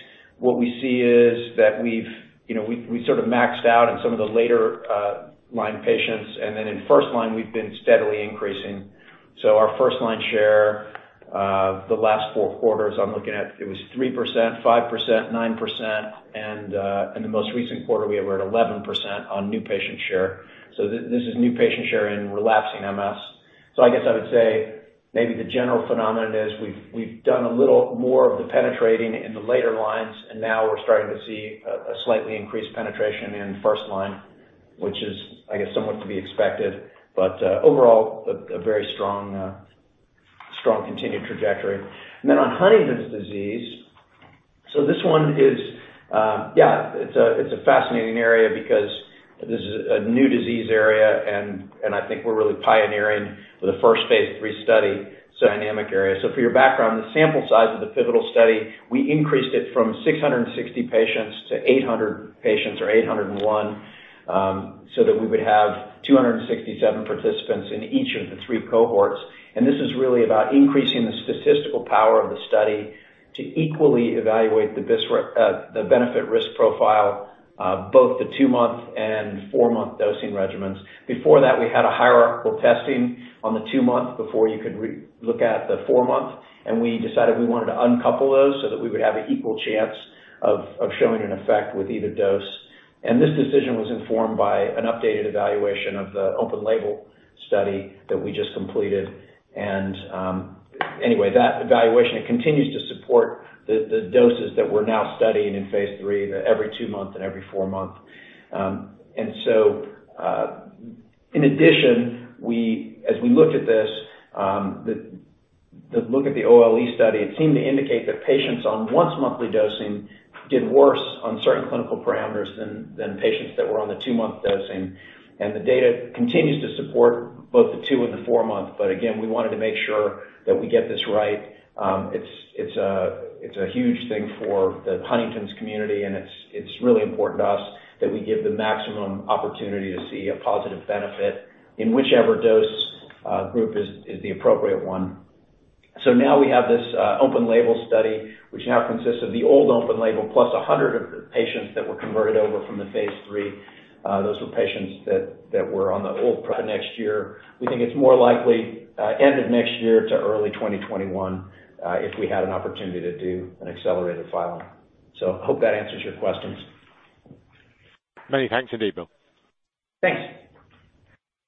what we see is that we've maxed out in some of the later line patients. In first line we've been steadily increasing. Our first-line share, the last four quarters I'm looking at, it was 3%, 5%, 9%, and in the most recent quarter, we were at 11% on new patient share. This is new patient share in relapsing MS. I guess I would say maybe the general phenomenon is we've done a little more of the penetrating in the later lines, and now we're starting to see a slightly increased penetration in first line, which is, I guess, somewhat to be expected. Overall, a very strong continued trajectory. On Huntington's disease. This one is a fascinating area because this is a new disease area and I think we're really pioneering for the first phase III study dynamic area. For your background, the sample size of the pivotal study, we increased it from 660 patients to 800 patients or 801, so that we would have 267 participants in each of the 3 cohorts. This is really about increasing the statistical power of the study to equally evaluate the benefit risk profile, both the 2-month and 4-month dosing regimens. Before that, we had a hierarchical testing on the 2-month before you could re-look at the 4-month. We decided we wanted to uncouple those so that we would have an equal chance of showing an effect with either dose. This decision was informed by an updated evaluation of the open label study that we just completed. Anyway, that evaluation, it continues to support the doses that we're now studying in Phase III, the every 2 month and every 4 month. In addition, as we look at this, look at the OLE study, it seemed to indicate that patients on once-monthly dosing did worse on certain clinical parameters than patients that were on the 2-month dosing. The data continues to support both the 2 and the 4-month. Again, we wanted to make sure that we get this right. It's a huge thing for the Huntington's community, and it's really important to us that we give the maximum opportunity to see a positive benefit in whichever dose group is the appropriate one. Now we have this open label study, which now consists of the old open label plus 100 of the patients that were converted over from the phase III. Those were patients that were on the next year. We think it's more likely end of next year to early 2021, if we had an opportunity to do an accelerated filing. Hope that answers your questions. Many thanks indeed, Bill. Thanks.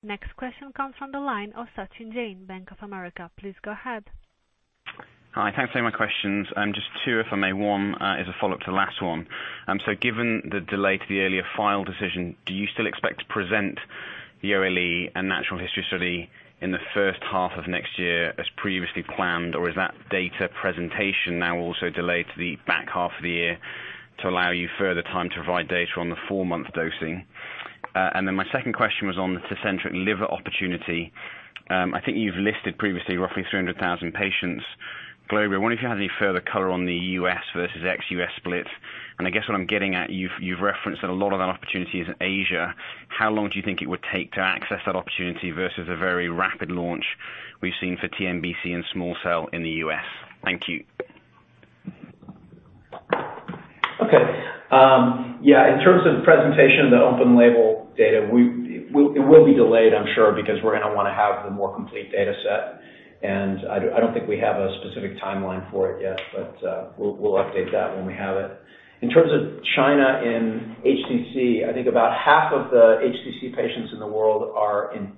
Next question comes from the line of Sachin Jain, Bank of America. Please go ahead. Hi, thanks for taking my questions. Just two, if I may. One is a follow-up to the last one. Given the delay to the earlier file decision, do you still expect to present the OLE and natural history study in the first half of next year as previously planned, or is that data presentation now also delayed to the back half of the year to allow you further time to provide data on the four-month dosing? My second question was on the Tecentriq liver opportunity. I think you've listed previously roughly 300,000 patients globally. I wonder if you have any further color on the U.S. versus ex-U.S. split. I guess what I'm getting at, you've referenced that a lot of that opportunity is in Asia. How long do you think it would take to access that opportunity versus a very rapid launch we've seen for TNBC and small cell in the U.S.? Thank you. Okay. Yeah, in terms of presentation of the open label data, it will be delayed, I'm sure, because we're going to want to have the more complete data set. I don't think we have a specific timeline for it yet, but we'll update that when we have it. In terms of China and HCC, I think about half of the HCC patients in the world are in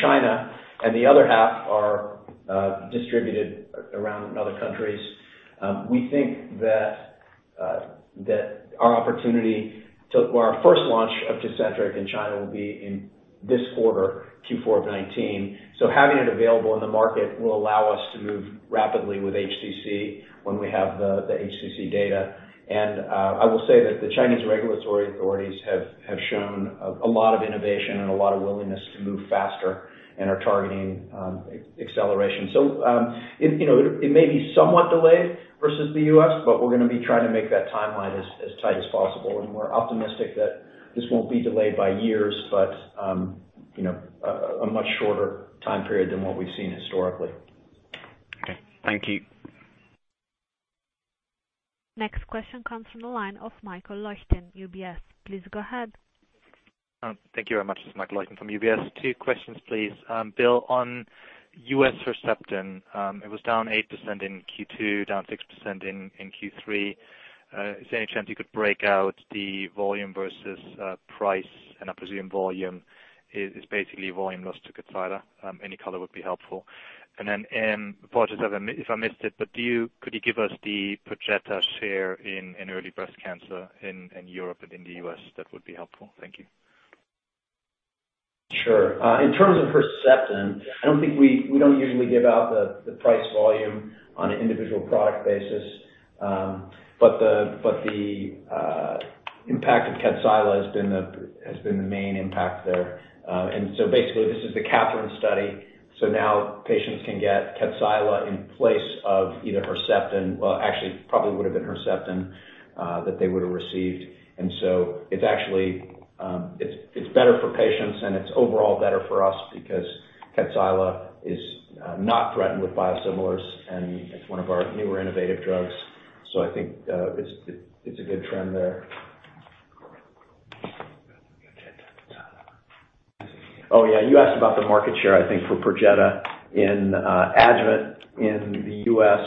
China, and the other half are distributed around other countries. We think that our opportunity to our first launch of Tecentriq in China will be in this quarter, Q4 of 2019. Having it available in the market will allow us to move rapidly with HCC when we have the HCC data. I will say that the Chinese regulatory authorities have shown a lot of innovation and a lot of willingness to move faster and are targeting acceleration. It may be somewhat delayed versus the U.S. We're going to be trying to make that timeline as tight as possible. We're optimistic that this won't be delayed by years, but a much shorter time period than what we've seen historically. Okay. Thank you. Next question comes from the line of Michael Leuchten, UBS. Please go ahead. Thank you very much. This is Mike Leuchten from UBS. Two questions, please. Bill, on U.S. Herceptin, it was down 8% in Q2, down 6% in Q3. Is there any chance you could break out the volume versus price? I presume volume is basically volume lost to Kyprolis. Any color would be helpful. Then, apologies if I missed it, but could you give us the Perjeta share in early breast cancer in Europe and in the U.S.? That would be helpful. Thank you. Sure. In terms of Herceptin, we don't usually give out the price volume on an individual product basis. The impact of Kadcyla has been the main impact there. Basically, this is the KATHERINE study. Now patients can get Kadcyla in place of either Herceptin, well, actually, it probably would've been Herceptin that they would've received. It's better for patients, and it's overall better for us because Kadcyla is not threatened with biosimilars, and it's one of our newer innovative drugs. I think it's a good trend there. Oh, yeah, you asked about the market share, I think for Perjeta in adjuvant in the U.S.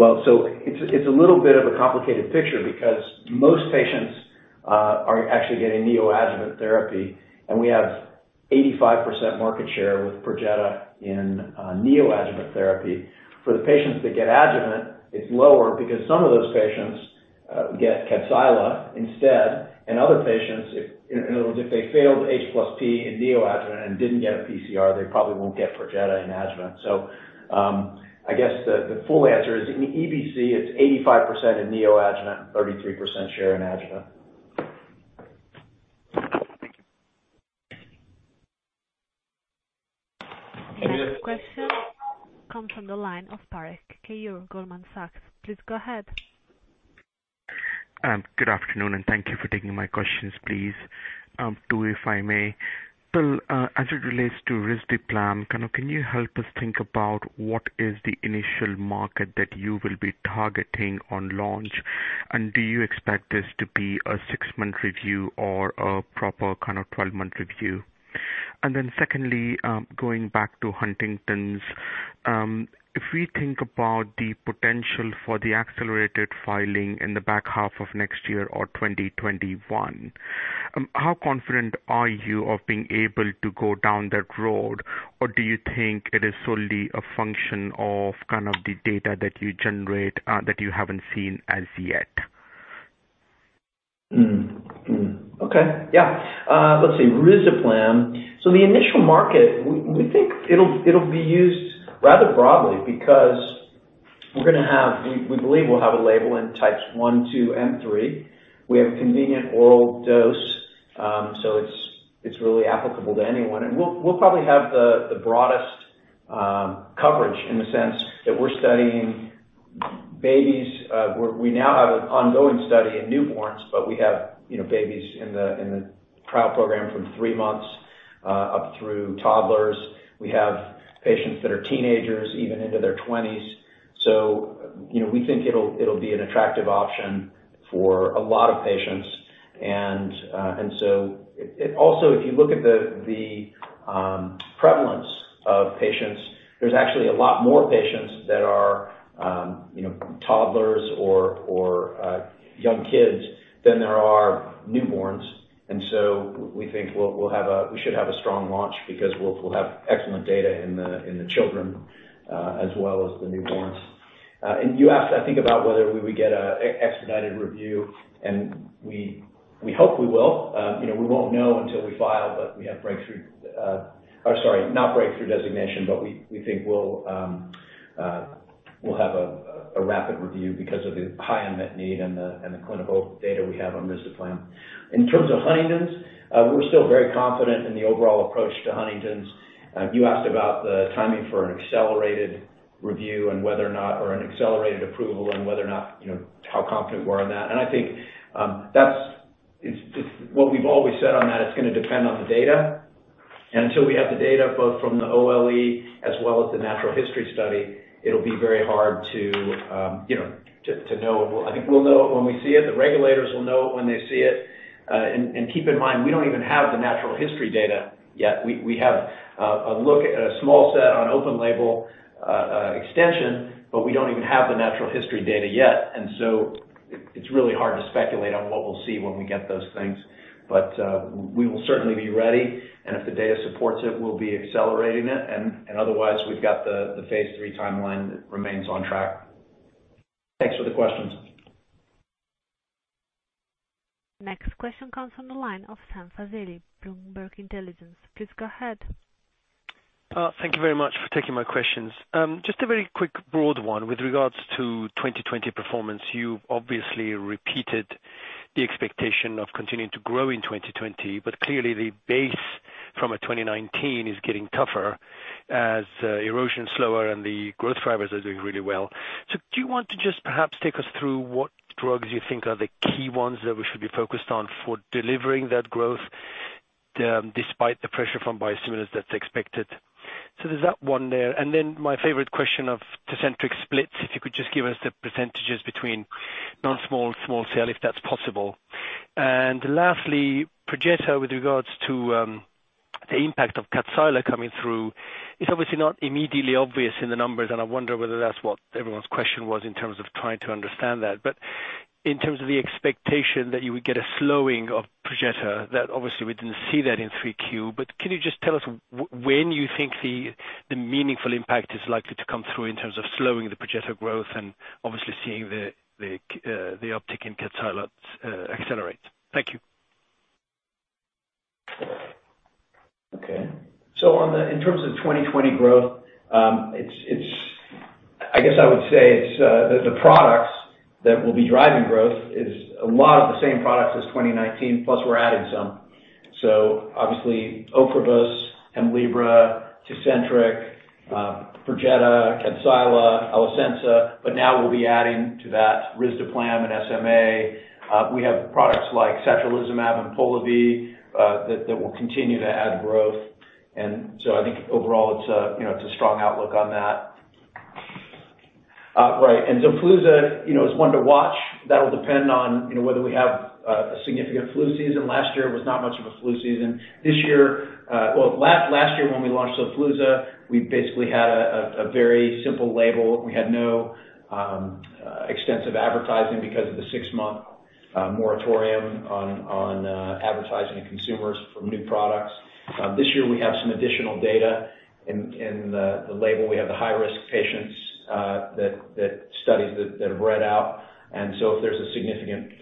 It's a little bit of a complicated picture because most patients are actually getting neoadjuvant therapy, and we have 85% market share with Perjeta in neoadjuvant therapy. For the patients that get adjuvant, it's lower because some of those patients get Kadcyla instead. Other patients, if they failed H+P in neoadjuvant and didn't get a pCR, they probably won't get Perjeta in adjuvant. I guess the full answer is in EBC, it's 85% in neoadjuvant, 33% share in adjuvant. Thank you. The next question comes from the line of Keyur Parekh, Goldman Sachs. Please go ahead. Good afternoon. Thank you for taking my questions please. Two, if I may. Bill, as it relates to risdiplam, can you help us think about what is the initial market that you will be targeting on launch? Do you expect this to be a six-month review or a proper 12-month review? Secondly, going back to Huntington's, if we think about the potential for the accelerated filing in the back half of next year or 2021, how confident are you of being able to go down that road? Do you think it is solely a function of the data that you generate that you haven't seen as yet? Okay. Yeah. Let's see, risdiplam. The initial market, we think it'll be used rather broadly because we believe we'll have a label in types 1, 2, and 3. We have a convenient oral dose. It's really applicable to anyone, and we'll probably have the broadest coverage in the sense that we're studying babies. We now have an ongoing study in newborns, but we have babies in the trial program from three months up through toddlers. We have patients that are teenagers, even into their 20s. We think it'll be an attractive option for a lot of patients. Also, if you look at the prevalence of patients, there's actually a lot more patients that are toddlers or young kids than there are newborns. We think we should have a strong launch because we'll have excellent data in the children, as well as the newborns. You asked, I think, about whether we would get an expedited review, and we hope we will. We won't know until we file. We have breakthrough Or sorry, not breakthrough designation, but we think we'll have a rapid review because of the high unmet need and the clinical data we have on risdiplam. In terms of Huntington's, we're still very confident in the overall approach to Huntington's. You asked about the timing for an accelerated review or an accelerated approval, and how confident we are in that. I think, what we've always said on that, it's going to depend on the data. Until we have the data both from the OLE as well as the natural history study, it'll be very hard to know. I think we'll know it when we see it, the regulators will know it when they see it. Keep in mind, we don't even have the natural history data yet. We have a small set on open label extension, but we don't even have the natural history data yet. It's really hard to speculate on what we'll see when we get those things. We will certainly be ready, and if the data supports it, we'll be accelerating it. Otherwise, we've got the phase III timeline that remains on track. Thanks for the questions. Next question comes from the line of Sam Fazeli, Bloomberg Intelligence. Please go ahead. Thank you very much for taking my questions. A very quick broad one with regards to 2020 performance. You've obviously repeated the expectation of continuing to grow in 2020, clearly the base from a 2019 is getting tougher as erosion is slower and the growth drivers are doing really well. Do you want to perhaps take us through what drugs you think are the key ones that we should be focused on for delivering that growth, despite the pressure from biosimilars that's expected? There's that one there, my favorite question of Tecentriq splits, if you could just give us the percentages between non-small and small cell, if that's possible. Lastly, Perjeta, with regards to the impact of Kadcyla coming through, it's obviously not immediately obvious in the numbers, and I wonder whether that's what everyone's question was in terms of trying to understand that. In terms of the expectation that you would get a slowing of Perjeta, that obviously we didn't see that in 3Q, but can you just tell us when you think the meaningful impact is likely to come through in terms of slowing the Perjeta growth and obviously seeing the uptick in Kadcyla accelerate? Thank you. In terms of 2020 growth, I guess I would say the products that will be driving growth is a lot of the same products as 2019, plus we're adding some. Obviously Ocrevus, Entyvio, Tecentriq, Perjeta, Kadcyla, Lucentis. Now we'll be adding to that risdiplam and SMA. We have products like satralizumab and Polivy that will continue to add growth. I think overall it's a strong outlook on that. Right. XOFLUZA is one to watch that'll depend on whether we have a significant flu season. Last year was not much of a flu season. Last year when we launched XOFLUZA, we basically had a very simple label. We had no extensive advertising because of the six-month moratorium on advertising to consumers for new products. This year we have some additional data in the label. We have the high-risk patients, studies that have read out. If there's a significant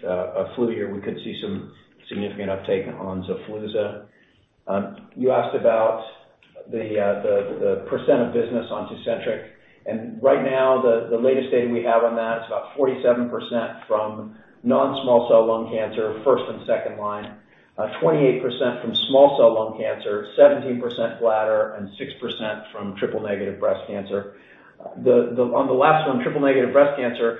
flu year, we could see some significant uptake on XOFLUZA. You asked about the percent of business on Tecentriq. Right now the latest data we have on that, it's about 47% from non-small cell lung cancer, first and second line, 28% from small cell lung cancer, 17% bladder, and 6% from triple negative breast cancer. On the last one, triple negative breast cancer,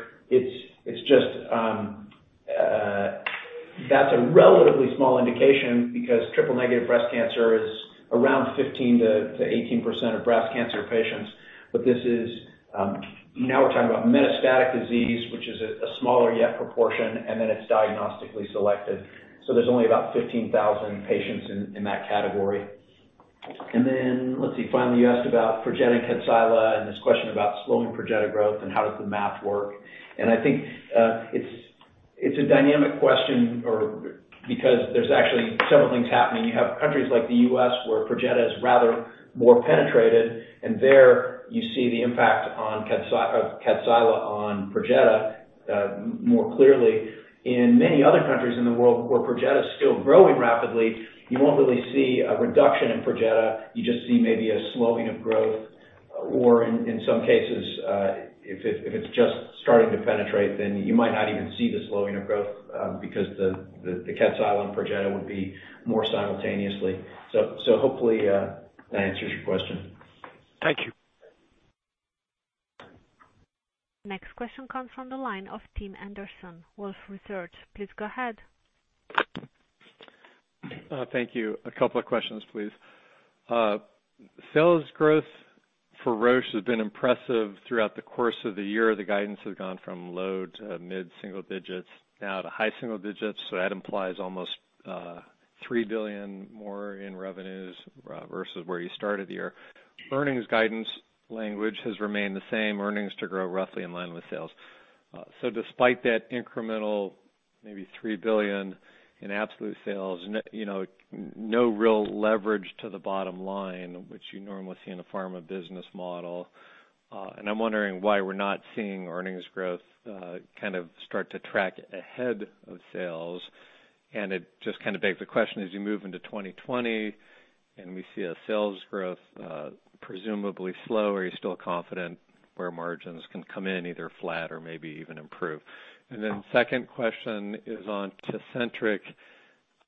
that's a relatively small indication because triple negative breast cancer is around 15%-18% of breast cancer patients. Now we're talking about metastatic disease, which is a smaller yet proportion. Then it's diagnostically selected. There's only about 15,000 patients in that category. Let's see, finally, you asked about Perjeta and Kadcyla and this question about slowing Perjeta growth and how does the math work. I think it's a dynamic question because there's actually several things happening. You have countries like the U.S. where Perjeta is rather more penetrated, and there you see the impact of Kadcyla on Perjeta more clearly. In many other countries in the world where Perjeta is still growing rapidly, you won't really see a reduction in Perjeta. You just see maybe a slowing of growth, or in some cases, if it's just starting to penetrate, then you might not even see the slowing of growth because the Kadcyla and Perjeta would be more simultaneously. Hopefully, that answers your question. Thank you. Next question comes from the line of Tim Anderson, Wolfe Research. Please go ahead. Thank you. A couple of questions, please. Sales growth for Roche has been impressive throughout the course of the year. The guidance has gone from low to mid-single digits now to high single digits. That implies almost 3 billion more in revenues versus where you started the year. Earnings guidance language has remained the same, earnings to grow roughly in line with sales. Despite that incremental, maybe 3 billion in absolute sales, no real leverage to the bottom line, which you normally see in a pharma business model. I'm wondering why we're not seeing earnings growth kind of start to track ahead of sales. It just kind of begs the question, as you move into 2020 and we see a sales growth presumably slow, are you still confident where margins can come in either flat or maybe even improve? Second question is on Tecentriq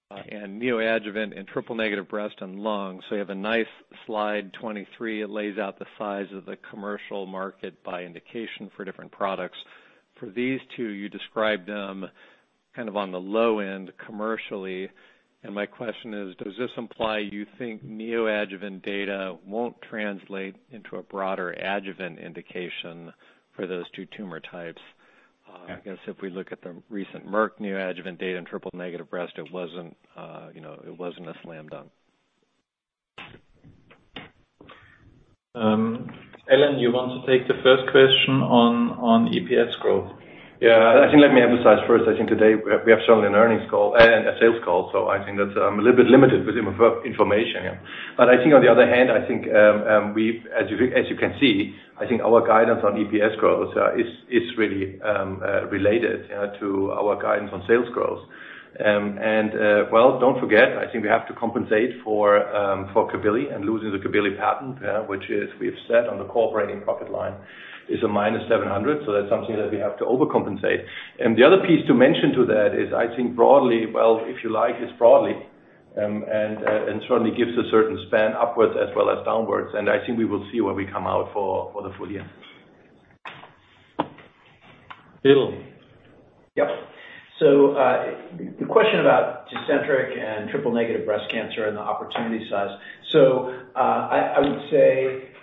and neoadjuvant in triple negative breast and lung. You have a nice slide 23. It lays out the size of the commercial market by indication for different products. For these two, you described them kind of on the low end commercially, and my question is, does this imply you think neoadjuvant data won't translate into a broader adjuvant indication for those two tumor types? Yeah. I guess if we look at the recent Merck neoadjuvant data in triple-negative breast, it wasn't a slam dunk. Alan, you want to take the first question on EPS growth? Yeah. I think, let me emphasize first, I think today we have shown an earnings call and a sales call, so I think that I'm a little bit limited with information here. I think on the other hand, as you can see, I think our guidance on EPS growth is really related to our guidance on sales growth. Well, don't forget, I think we have to compensate for Cabilly and losing the Cabilly patent, which is, we have said on the operating profit line is minus 700, so that's something that we have to overcompensate. The other piece to mention to that is, I think broadly, and certainly gives a certain span upwards as well as downwards, and I think we will see where we come out for the full year. Bill. Yep. The question about Tecentriq and triple-negative breast cancer and the opportunity size.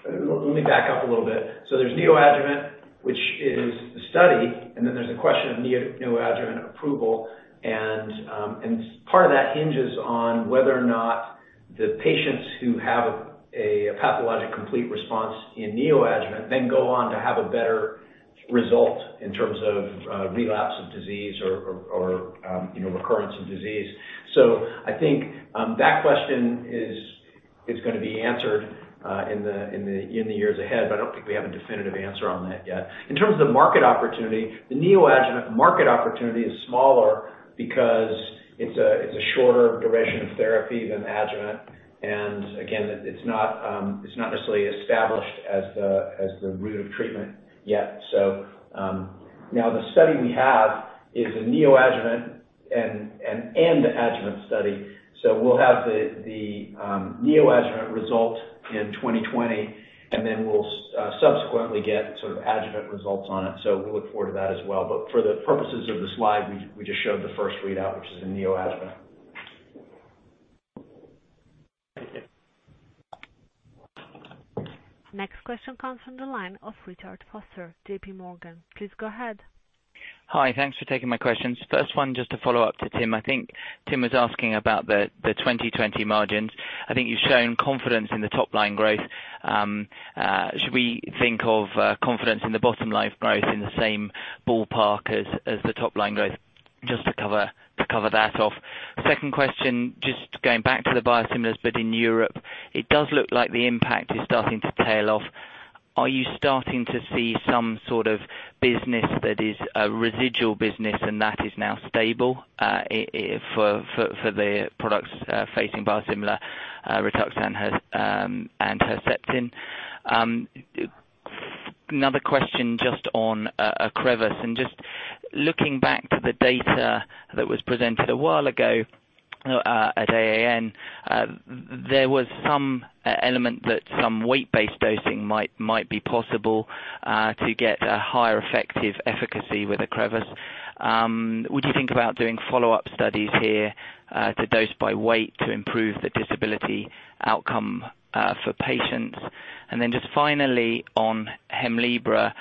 Let me back up a little bit. There's neoadjuvant, which is the study, and then there's a question of neoadjuvant approval, and part of that hinges on whether or not the patients who have a pathologic complete response in neoadjuvant then go on to have a better result in terms of relapse of disease or recurrence of disease. I think that question is going to be answered in the years ahead. I don't think we have a definitive answer on that yet. In terms of the market opportunity, the neoadjuvant market opportunity is smaller because it's a shorter duration of therapy than adjuvant. Again, it's not necessarily established as the route of treatment yet. Now the study we have is a neoadjuvant and adjuvant study. We'll have the neoadjuvant result in 2020, and then we'll subsequently get adjuvant results on it. We look forward to that as well. For the purposes of the slide, we just showed the first readout, which is the neoadjuvant. Thank you. Next question comes from the line of Richard Vosser, JPMorgan. Please go ahead. Hi. Thanks for taking my questions. First one, just to follow up to Tim. I think Tim was asking about the 2020 margins. I think you've shown confidence in the top-line growth. Should we think of confidence in the bottom-line growth in the same ballpark as the top line growth? Just to cover that off. Second question, just going back to the biosimilars, but in Europe. It does look like the impact is starting to tail off. Are you starting to see some sort of business that is a residual business and that is now stable for the products facing biosimilars to Rituxan and Herceptin? Another question just on Ocrevus, and just looking back to the data that was presented a while ago at AAN, there was some element that some weight-based dosing might be possible to get a higher effective efficacy with Ocrevus. Would you think about doing follow-up studies here to dose by weight to improve the disability outcome for patients? Finally on Hemlibra,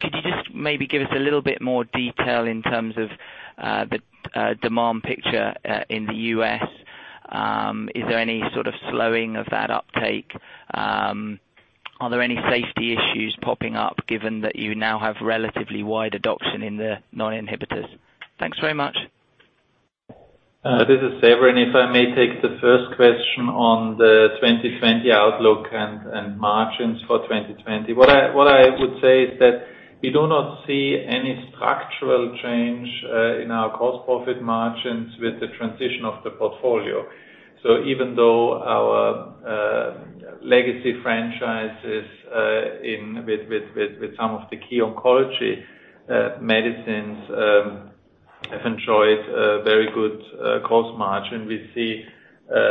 could you just maybe give us a little bit more detail in terms of the demand picture in the U.S.? Is there any sort of slowing of that uptake? Are there any safety issues popping up given that you now have relatively wide adoption in the non-inhibitors? Thanks very much. This is Severin. If I may take the first question on the 2020 outlook and margins for 2020. What I would say is that we do not see any structural change in our gross profit margins with the transition of the portfolio. Even though our legacy franchises with some of the key oncology medicines have enjoyed a very good gross margin, we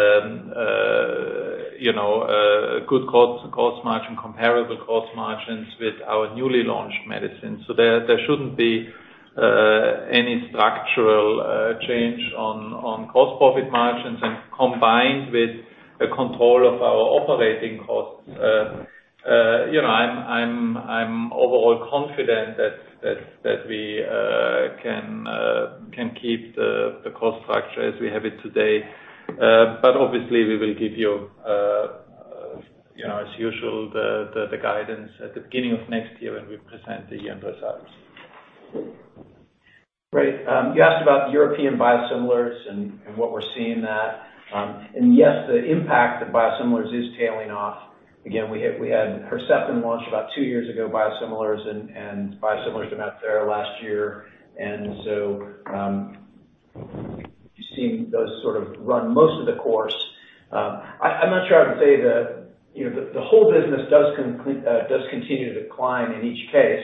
see a good gross margin, comparable gross margins with our newly launched medicines. There shouldn't be any structural change on gross profit margins, and combined with the control of our operating costs, I'm overall confident that we can keep the cost structure as we have it today. Obviously, we will give you, as usual, the guidance at the beginning of next year when we present the annual results. Right. You asked about European biosimilars and what we're seeing there. Yes, the impact of biosimilars is tailing off. Again, we had Herceptin launch about two years ago, biosimilars, and biosimilars to Humira last year. You've seen those sort of run most of the course. I'm not sure I would say the whole business does continue to decline in each case,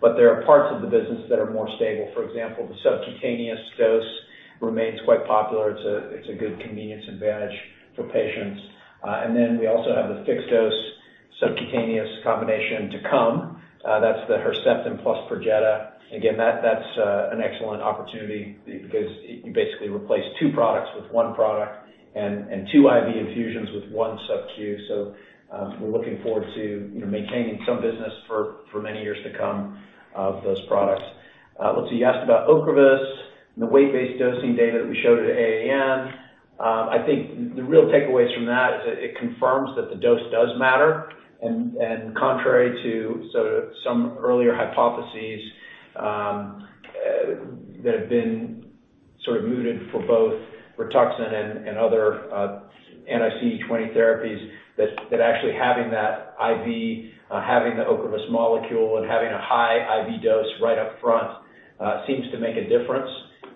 but there are parts of the business that are more stable. For example, the subcutaneous dose remains quite popular. It's a good convenience advantage for patients. We also have the fixed dose subcutaneous combination to come. That's the Herceptin plus Perjeta. Again, that's an excellent opportunity because you basically replace two products with one product and two IV infusions with one SubQ. We're looking forward to maintaining some business for many years to come of those products. Let's see, you asked about Ocrevus and the weight-based dosing data that we showed at AAN. I think the real takeaways from that is it confirms that the dose does matter, and contrary to sort of some earlier hypotheses that have been sort of mooted for both Rituxan and other anti-CD20 therapies, that actually having that IV, having the Ocrevus molecule and having a high IV dose right up front seems to make a difference.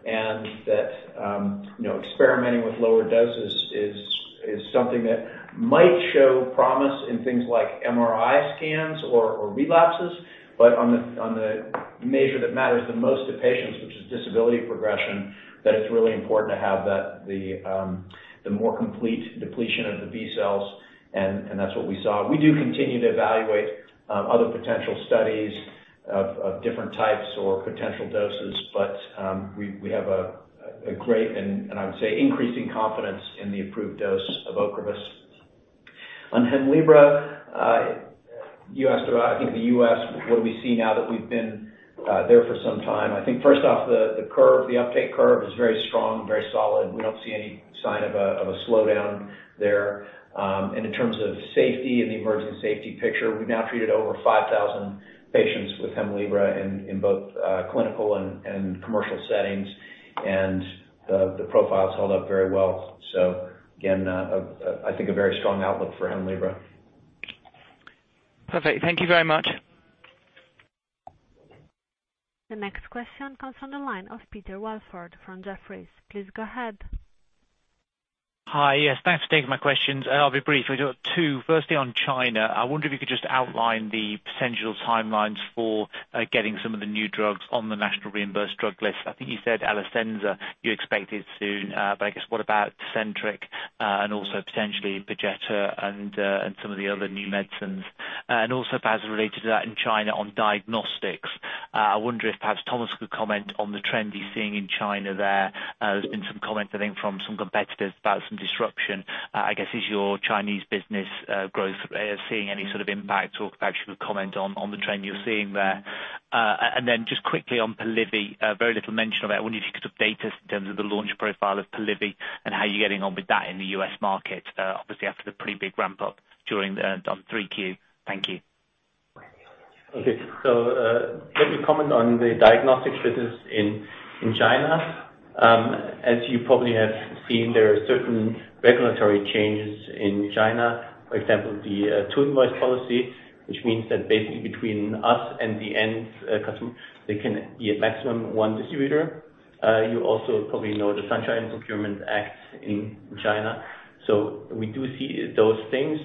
That experimenting with lower doses is something that might show promise in things like MRI scans or relapses, but on the measure that matters the most to patients, which is disability progression, that it's really important to have the more complete depletion of the B cells, and that's what we saw. We do continue to evaluate other potential studies of different types or potential doses, but we have a great, and I would say, increasing confidence in the approved dose of Ocrevus. On Hemlibra, you asked about, I think, the U.S., what do we see now that we've been there for some time? I think first off, the uptake curve is very strong, very solid. We don't see any sign of a slowdown there. In terms of safety and the emerging safety picture, we've now treated over 5,000 patients with Hemlibra in both clinical and commercial settings, and the profile's held up very well. Again, I think a very strong outlook for Hemlibra. Perfect. Thank you very much. The next question comes from the line of Peter Welford from Jefferies. Please go ahead. Hi. Yes, thanks for taking my questions. I'll be brief. I got two. Firstly, on China, I wonder if you could just outline the potential timelines for getting some of the new drugs on the National Reimbursement Drug List. I think you said Alecensa, you expect it soon. I guess, what about Tecentriq, and also potentially Perjeta and some of the other new medicines? Also, perhaps related to that, in China on diagnostics. I wonder if perhaps Thomas could comment on the trend he's seeing in China there. There's been some comment, I think, from some competitors about some disruption. I guess, is your Chinese business growth seeing any sort of impact? Perhaps you could comment on the trend you're seeing there. Just quickly on Polivy, very little mention of it. I wonder if you could update us in terms of the launch profile of Polivy and how you're getting on with that in the U.S. market, obviously after the pretty big ramp-up during the 3Q. Thank you. Okay. Let me comment on the diagnostics business in China. As you probably have seen, there are certain regulatory changes in China, for example, the two-invoice policy, which means that basically between us and the end customer, there can be a maximum one distributor. You also probably know the Sunshine Procurement Act in China. We do see those things.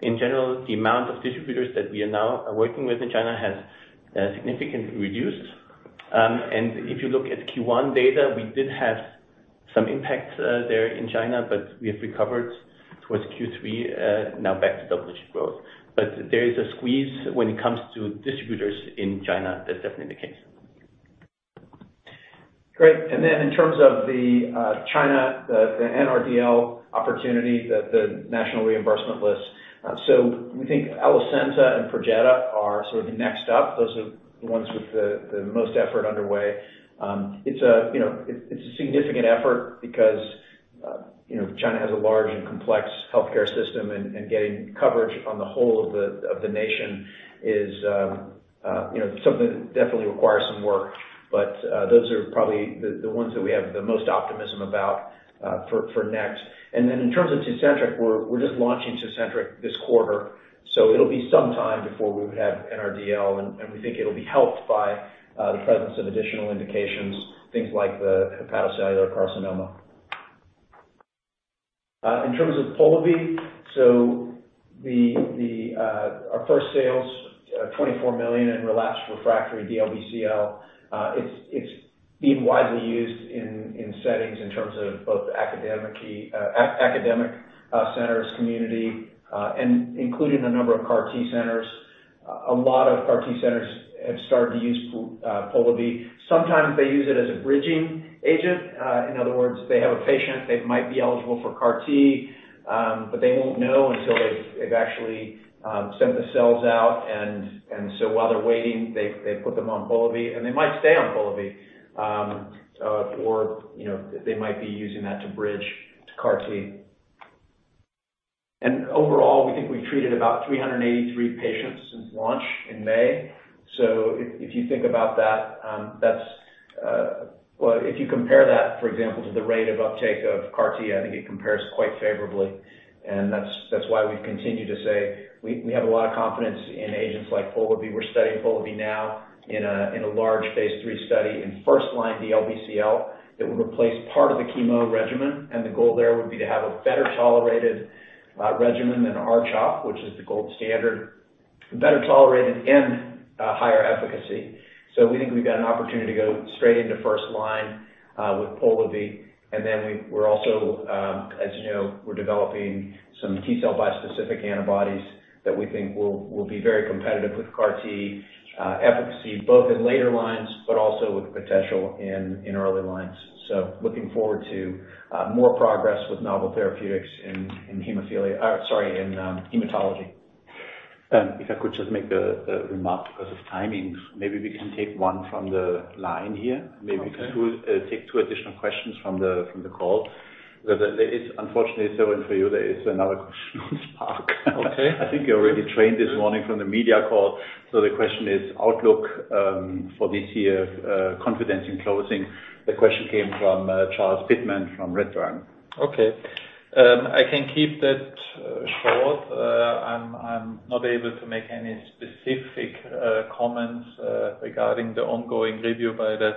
In general, the amount of distributors that we are now working with in China has significantly reduced. If you look at Q1 data, we did have some impact there in China, but we have recovered towards Q3, now back to double-digit growth. There is a squeeze when it comes to distributors in China. That's definitely the case. Great. In terms of the China, the NRDL opportunity, the National Reimbursement List. We think Alecensa and Perjeta are sort of next up. Those are the ones with the most effort underway. It's a significant effort because China has a large and complex healthcare system, and getting coverage on the whole of the nation is something that definitely requires some work. Those are probably the ones that we have the most optimism about for next. In terms of Tecentriq, we're just launching Tecentriq this quarter, so it'll be some time before we would have NRDL, and we think it'll be helped by the presence of additional indications, things like the hepatocellular carcinoma. In terms of Polivy, our first sales, 24 million in relapsed refractory DLBCL. It's being widely used in settings in terms of both academic centers, community, and including a number of CAR T centers. A lot of CAR T centers have started to use Polivy. Sometimes they use it as a bridging agent. In other words, they have a patient, they might be eligible for CAR T, but they won't know until they've actually sent the cells out. While they're waiting, they put them on Polivy, and they might stay on Polivy. They might be using that to bridge to CAR T. Overall, we think we've treated about 383 patients since launch in May. If you think about that, if you compare that, for example, to the rate of uptake of CAR T, I think it compares quite favorably. That's why we've continued to say we have a lot of confidence in agents like Polivy. We're studying Polivy now in a large phase III study in first-line DLBCL that will replace part of the chemo regimen, and the goal there would be to have a better-tolerated regimen than R-CHOP, which is the gold standard. Better tolerated and higher efficacy. We think we've got an opportunity to go straight into first-line with Polivy. Then we're also, as you know, we're developing some T-cell bispecific antibodies that we think will be very competitive with CAR T efficacy, both in later lines but also with potential in early lines. Looking forward to more progress with novel therapeutics in hematology. If I could just make a remark because of timing. Maybe we can take one from the line here. Okay. Maybe we could take two additional questions from the call. There is unfortunately, Stefan, for you, there is another question on Spark. Okay. I think you're already trained this morning from the media call. The question is outlook for this year, confidence in closing. The question came from Charles Pitman from Redburn. Okay. I can keep that short. I'm not able to make any specific comments regarding the ongoing review by the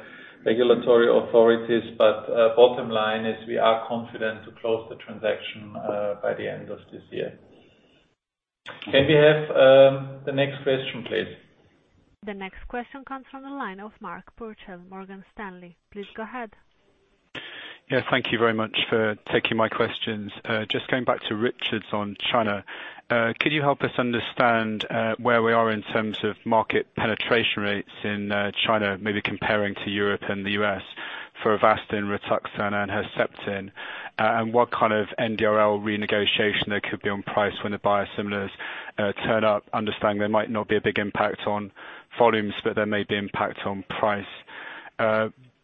regulatory authorities. Bottom line is we are confident to close the transaction by the end of this year. Can we have the next question, please? The next question comes from the line of Mark Purcell, Morgan Stanley. Please go ahead. Yeah. Thank you very much for taking my questions. Just going back to Richard's on China. Could you help us understand where we are in terms of market penetration rates in China, maybe comparing to Europe and the U.S. for Avastin, Rituxan, and Herceptin? What kind of NRDL renegotiation there could be on price when the biosimilars turn up, understanding there might not be a big impact on volumes, but there may be impact on price.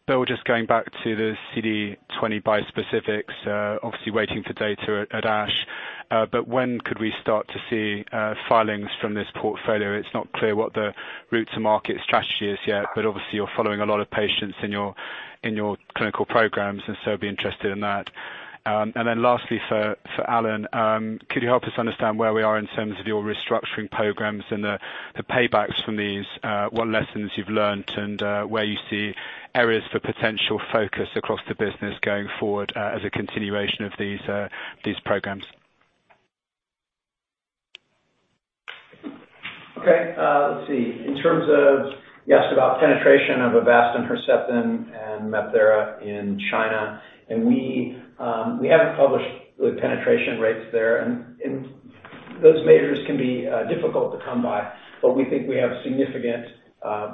Bill, just going back to the CD20 bispecifics, obviously waiting for data at ASH. When could we start to see filings from this portfolio? It's not clear what the route to market strategy is yet, but obviously you're following a lot of patients in your clinical programs, and so I'd be interested in that. Lastly, for Alan, could you help us understand where we are in terms of your restructuring programs and the paybacks from these, what lessons you've learned, and where you see areas for potential focus across the business going forward as a continuation of these programs? Okay. Let's see. In terms of, you asked about penetration of Avastin, Herceptin, and MabThera in China. We haven't published the penetration rates there. Those data can be difficult to come by. We think we have significant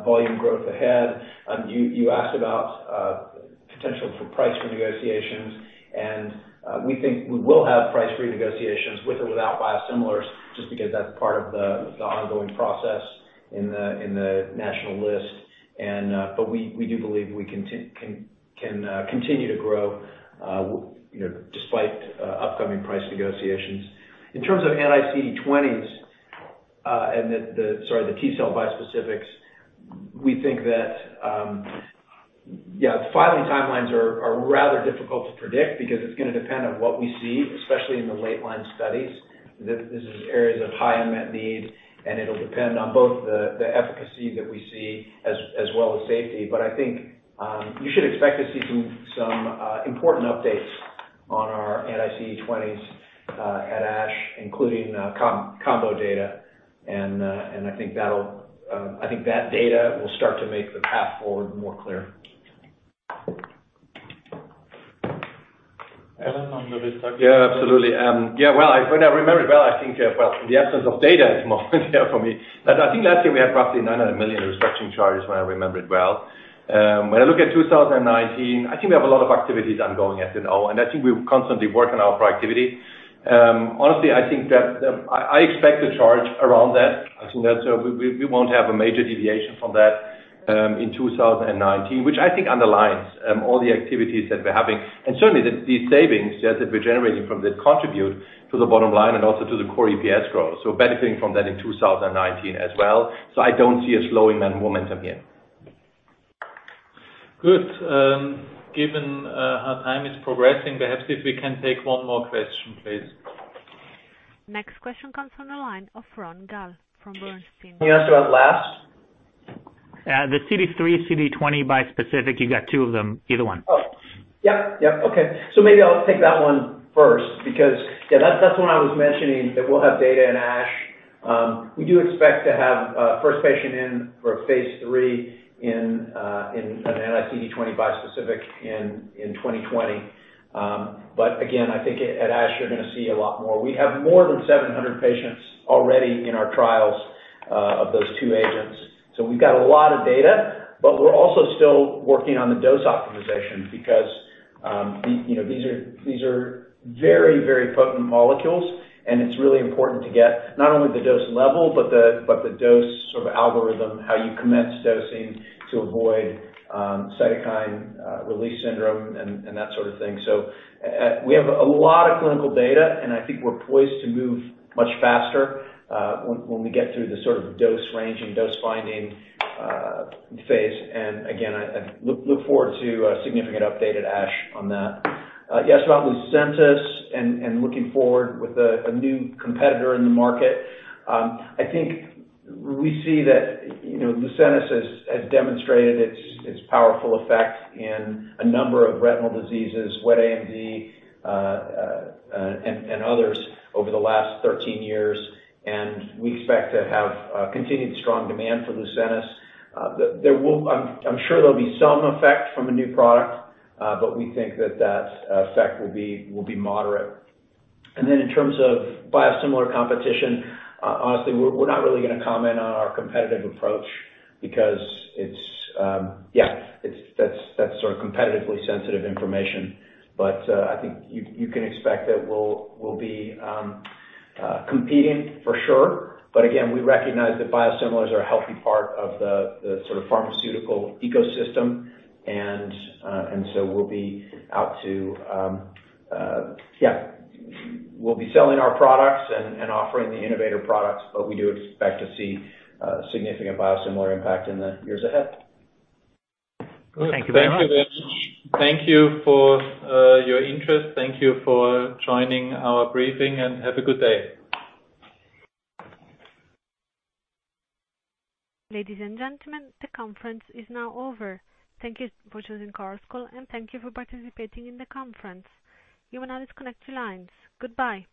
volume growth ahead. You asked about potential for price renegotiations. We think we will have price renegotiations with or without biosimilars, just because that's part of the ongoing process in the National List. We do believe we can continue to grow despite upcoming price negotiations. In terms of anti-CD20s, the T-cell bispecifics, we think filing timelines are rather difficult to predict because it's going to depend on what we see, especially in the late line studies. This is areas of high unmet need. It'll depend on both the efficacy that we see as well as safety. I think you should expect to see some important updates on our anti-CD20s at ASH, including combo data, and I think that data will start to make the path forward more clear. Alan, on the restructuring. Absolutely. If I remember it well, I think the absence of data is more there for me. I think last year we had roughly 900 million restructuring charges, if I remember it well. When I look at 2019, I think we have a lot of activities ongoing as you know, and I think we constantly work on our productivity. Honestly, I think that I expect the charge around that. I think that we won't have a major deviation from that in 2019, which I think underlines all the activities that we're having. Certainly these savings that we're generating from this contribute to the bottom line and also to the core EPS growth. Benefiting from that in 2019 as well. I don't see a slowing in momentum here. Good. Given our time is progressing, perhaps if we can take one more question, please. Next question comes from the line of Ronny Gal from Bernstein. Can you ask about last? The CD3, CD20 bispecific, you got two of them, either one. Yep. Okay. Maybe I'll take that one first because yeah, that's the one I was mentioning that we'll have data in ASH. We do expect to have first patient in for phase III in an anti-CD20 bispecific in 2020. Again, I think at ASH, you're going to see a lot more. We have more than 700 patients already in our trials of those two agents. We've got a lot of data, but we're also still working on the dose optimization because these are very potent molecules, and it's really important to get not only the dose level, but the dose sort of algorithm, how you commence dosing to avoid cytokine release syndrome and that sort of thing. We have a lot of clinical data, and I think we're poised to move much faster when we get through the sort of dose ranging, dose finding phase. Again, I look forward to a significant update at ASH on that. About Lucentis and looking forward with a new competitor in the market. We see that Lucentis has demonstrated its powerful effect in a number of retinal diseases, wet AMD, and others over the last 13 years. We expect to have continued strong demand for Lucentis. I'm sure there'll be some effect from a new product, but we think that that effect will be moderate. In terms of biosimilar competition, honestly, we're not really going to comment on our competitive approach because that's sort of competitively sensitive information. You can expect that we'll be competing for sure. Again, we recognize that biosimilars are a healthy part of the sort of pharmaceutical ecosystem and so we'll be selling our products and offering the innovator products, but we do expect to see a significant biosimilar impact in the years ahead. Thank you very much. Thank you for your interest. Thank you for joining our briefing, and have a good day. Ladies and gentlemen, the conference is now over. Thank you for choosing Chorus Call, and thank you for participating in the conference. You will now disconnect your lines. Goodbye.